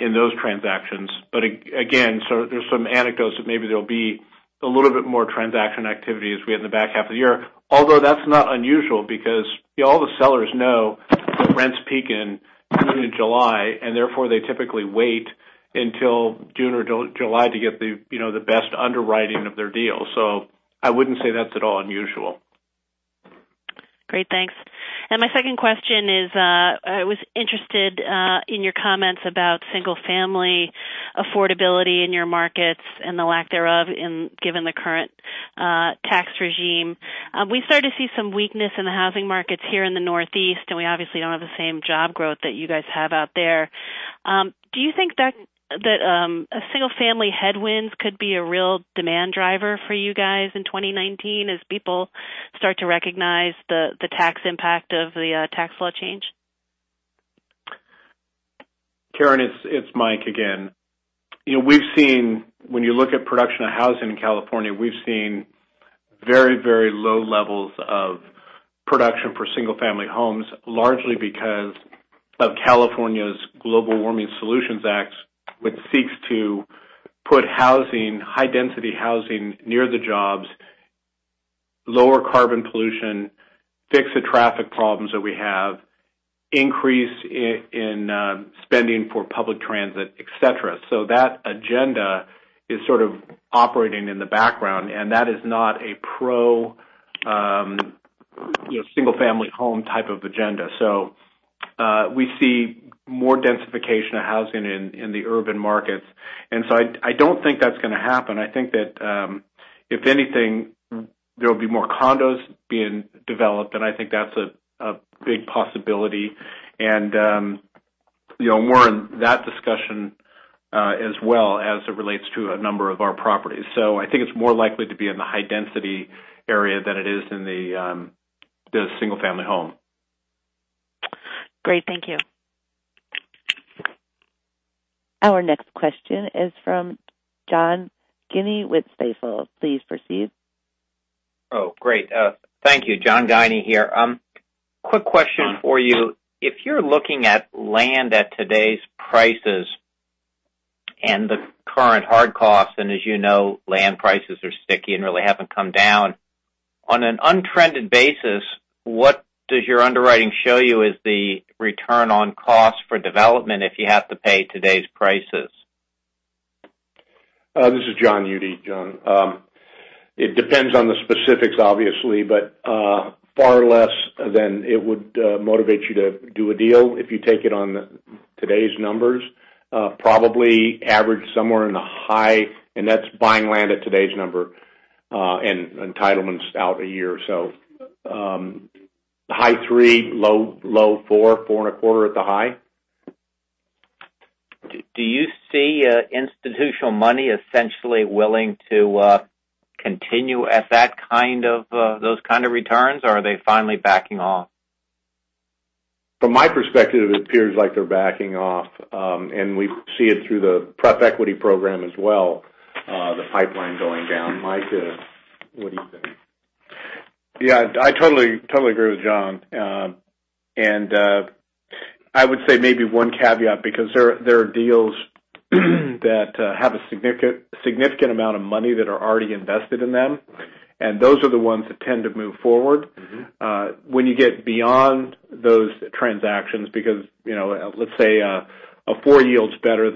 in those transactions. Again, there's some anecdotes that maybe there'll be a little bit more transaction activity as we get in the back half of the year. Although that's not unusual because all the sellers know that rents peak in June and July, and therefore they typically wait until June or July to get the best underwriting of their deal. I wouldn't say that's at all unusual. Great, thanks. My second question is, I was interested in your comments about single-family affordability in your markets and the lack thereof given the current tax regime. We started to see some weakness in the housing markets here in the Northeast, and we obviously don't have the same job growth that you guys have out there. Do you think that a single-family headwinds could be a real demand driver for you guys in 2019 as people start to recognize the tax impact of the tax law change? Karin, it's Mike again. When you look at production of housing in California, we've seen very low levels of production for single-family homes, largely because of California's Global Warming Solutions Act, which seeks to put high-density housing near the jobs, lower carbon pollution, fix the traffic problems that we have, increase in spending for public transit, et cetera. That agenda is sort of operating in the background, and that is not a pro single-family home type of agenda. We see more densification of housing in the urban markets, I don't think that's going to happen. I think that, if anything, there will be more condos being developed, and I think that's a big possibility. More on that discussion as well as it relates to a number of our properties. I think it's more likely to be in the high-density area than it is in the single-family home. Great. Thank you. Our next question is from John Guinee with Stifel. Please proceed. Great. Thank you. John Guinee here. Quick question for you. If you're looking at land at today's prices and the current hard costs, as you know, land prices are sticky and really haven't come down. On an untrended basis, what does your underwriting show you is the return on cost for development if you have to pay today's prices? This is John Eudy, John. It depends on the specifics, obviously, far less than it would motivate you to do a deal if you take it on today's numbers. Probably average somewhere in the high, that's buying land at today's number, and entitlements out a year or so. High three, low four and a quarter at the high. Do you see institutional money essentially willing to continue at those kind of returns, or are they finally backing off? From my perspective, it appears like they're backing off. We see it through the pref equity program as well, the pipeline going down. Mike, what do you think? Yeah, I totally agree with John. I would say maybe one caveat, because there are deals that have a significant amount of money that are already invested in them, and those are the ones that tend to move forward. When you get beyond those transactions, because, let's say, a four yield's better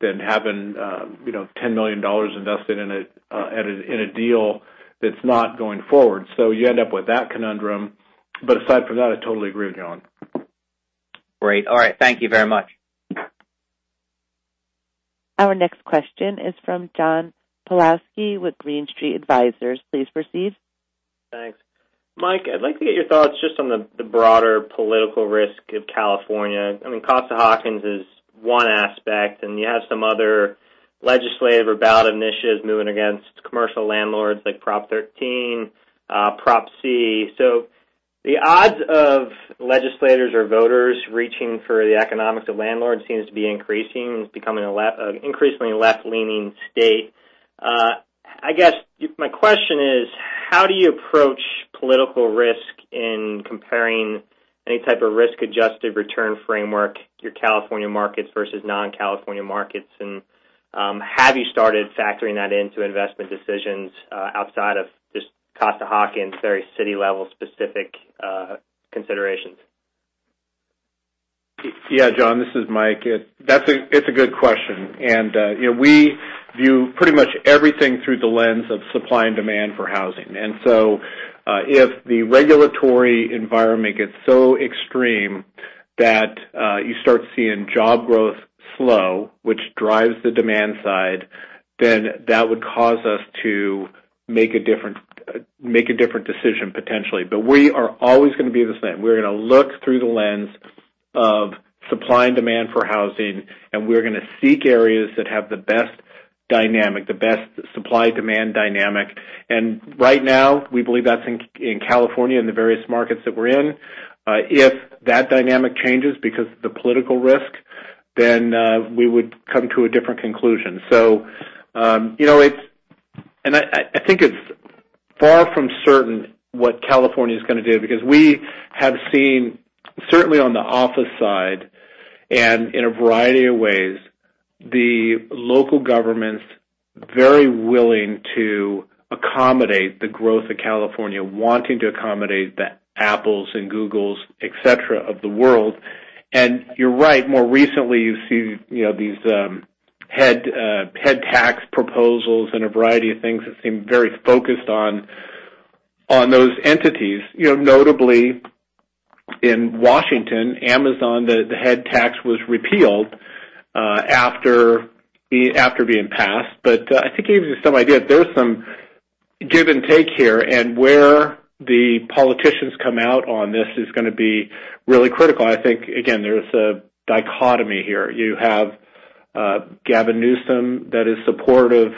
than having $10 million invested in a deal that's not going forward. You end up with that conundrum. Aside from that, I totally agree with John. Great. All right. Thank you very much. Our next question is from John Pawlowski with Green Street Advisors. Please proceed. Thanks. Mike, I'd like to get your thoughts just on the broader political risk of California. Costa-Hawkins is one aspect. You have some other legislative or ballot initiatives moving against commercial landlords like Proposition 13, Proposition C. The odds of legislators or voters reaching for the economics of landlords seems to be increasing. It's becoming an increasingly left-leaning state. I guess my question is, how do you approach political risk in comparing any type of risk-adjusted return framework to your California markets versus non-California markets? Have you started factoring that into investment decisions, outside of just Costa-Hawkins, very city-level specific considerations? Yeah, John, this is Mike. It's a good question. We view pretty much everything through the lens of supply and demand for housing. If the regulatory environment gets so extreme that you start seeing job growth slow, which drives the demand side, then that would cause us to make a different decision, potentially. We are always going to be the same. We're going to look through the lens of supply and demand for housing. We're going to seek areas that have the best dynamic, the best supply-demand dynamic. Right now, we believe that's in California in the various markets that we're in. If that dynamic changes because of the political risk, then we would come to a different conclusion. I think it's far from certain what California's going to do, because we have seen, certainly on the office side and in a variety of ways, the local governments very willing to accommodate the growth of California, wanting to accommodate the Apples and Googles, et cetera, of the world. You're right. More recently, you see these head tax proposals and a variety of things that seem very focused on those entities. Notably in Washington, Amazon, the head tax was repealed after being passed. I think it gives you some idea. There's some give and take here, and where the politicians come out on this is going to be really critical. I think, again, there's a dichotomy here. You have Gavin Newsom, that is supportive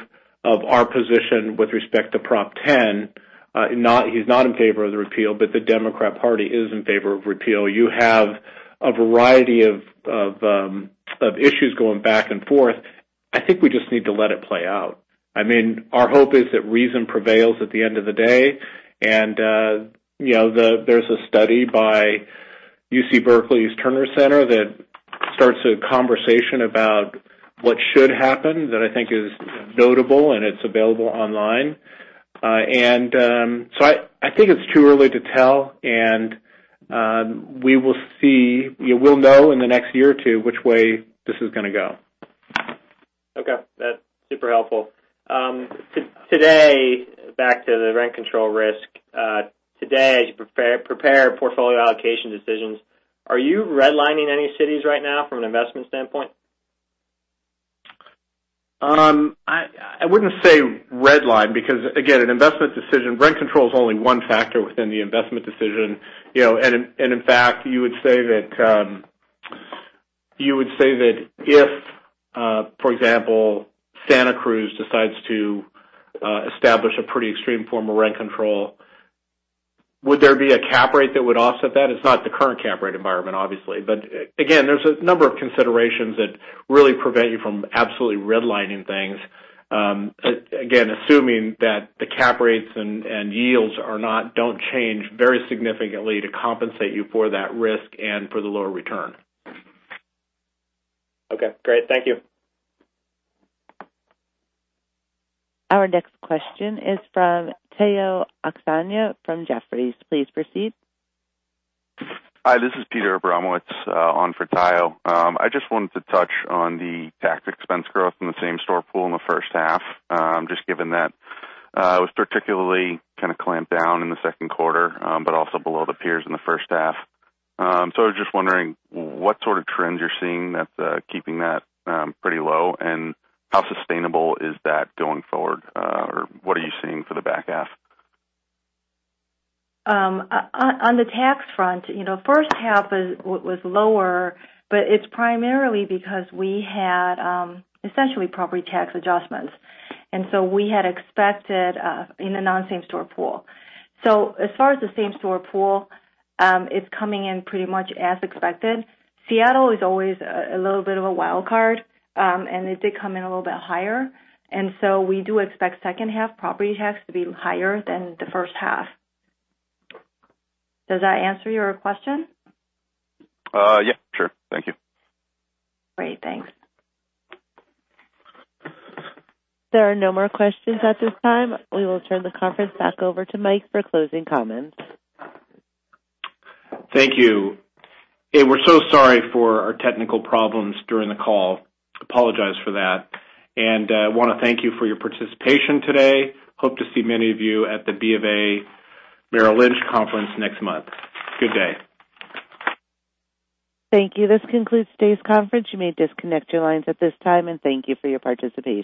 of our position with respect to Proposition 10. He's not in favor of the repeal, but the Democratic Party is in favor of repeal. You have a variety of issues going back and forth. I think we just need to let it play out. Our hope is that reason prevails at the end of the day. There's a study by UC Berkeley's Terner Center that starts a conversation about what should happen that I think is notable, and it's available online. I think it's too early to tell, and we will know in the next year or two which way this is going to go. Okay. That's super helpful. Back to the rent control risk. Today, as you prepare portfolio allocation decisions, are you redlining any cities right now from an investment standpoint? I wouldn't say red line because again, an investment decision, rent control is only one factor within the investment decision. In fact, you would say that if, for example, Santa Cruz decides to establish a pretty extreme form of rent control, would there be a cap rate that would offset that? It's not the current cap rate environment, obviously. Again, there's a number of considerations that really prevent you from absolutely redlining things. Again, assuming that the cap rates and yields don't change very significantly to compensate you for that risk and for the lower return. Okay, great. Thank you. Our next question is from Tayo Okusanya from Jefferies. Please proceed. Hi, this is Peter Abramowitz on for Tayo. I just wanted to touch on the tax expense growth in the same-store pool in the first half. Just given that it was particularly kind of clamped down in the second quarter, but also below the peers in the first half. I was just wondering what sort of trends you're seeing that's keeping that pretty low, how sustainable is that going forward? What are you seeing for the back half? On the tax front, first half was lower, it's primarily because we had essentially property tax adjustments, we had expected in a non-same-store pool. As far as the same-store pool, it's coming in pretty much as expected. Seattle is always a little bit of a wild card, they did come in a little bit higher. We do expect second half property tax to be higher than the first half. Does that answer your question? Yeah, sure. Thank you. Great. Thanks. There are no more questions at this time. We will turn the conference back over to Mike for closing comments. Thank you. Hey, we're so sorry for our technical problems during the call. Apologize for that. Want to thank you for your participation today. Hope to see many of you at the Bank of America Merrill Lynch conference next month. Good day. Thank you. This concludes today's conference. You may disconnect your lines at this time, and thank you for your participation.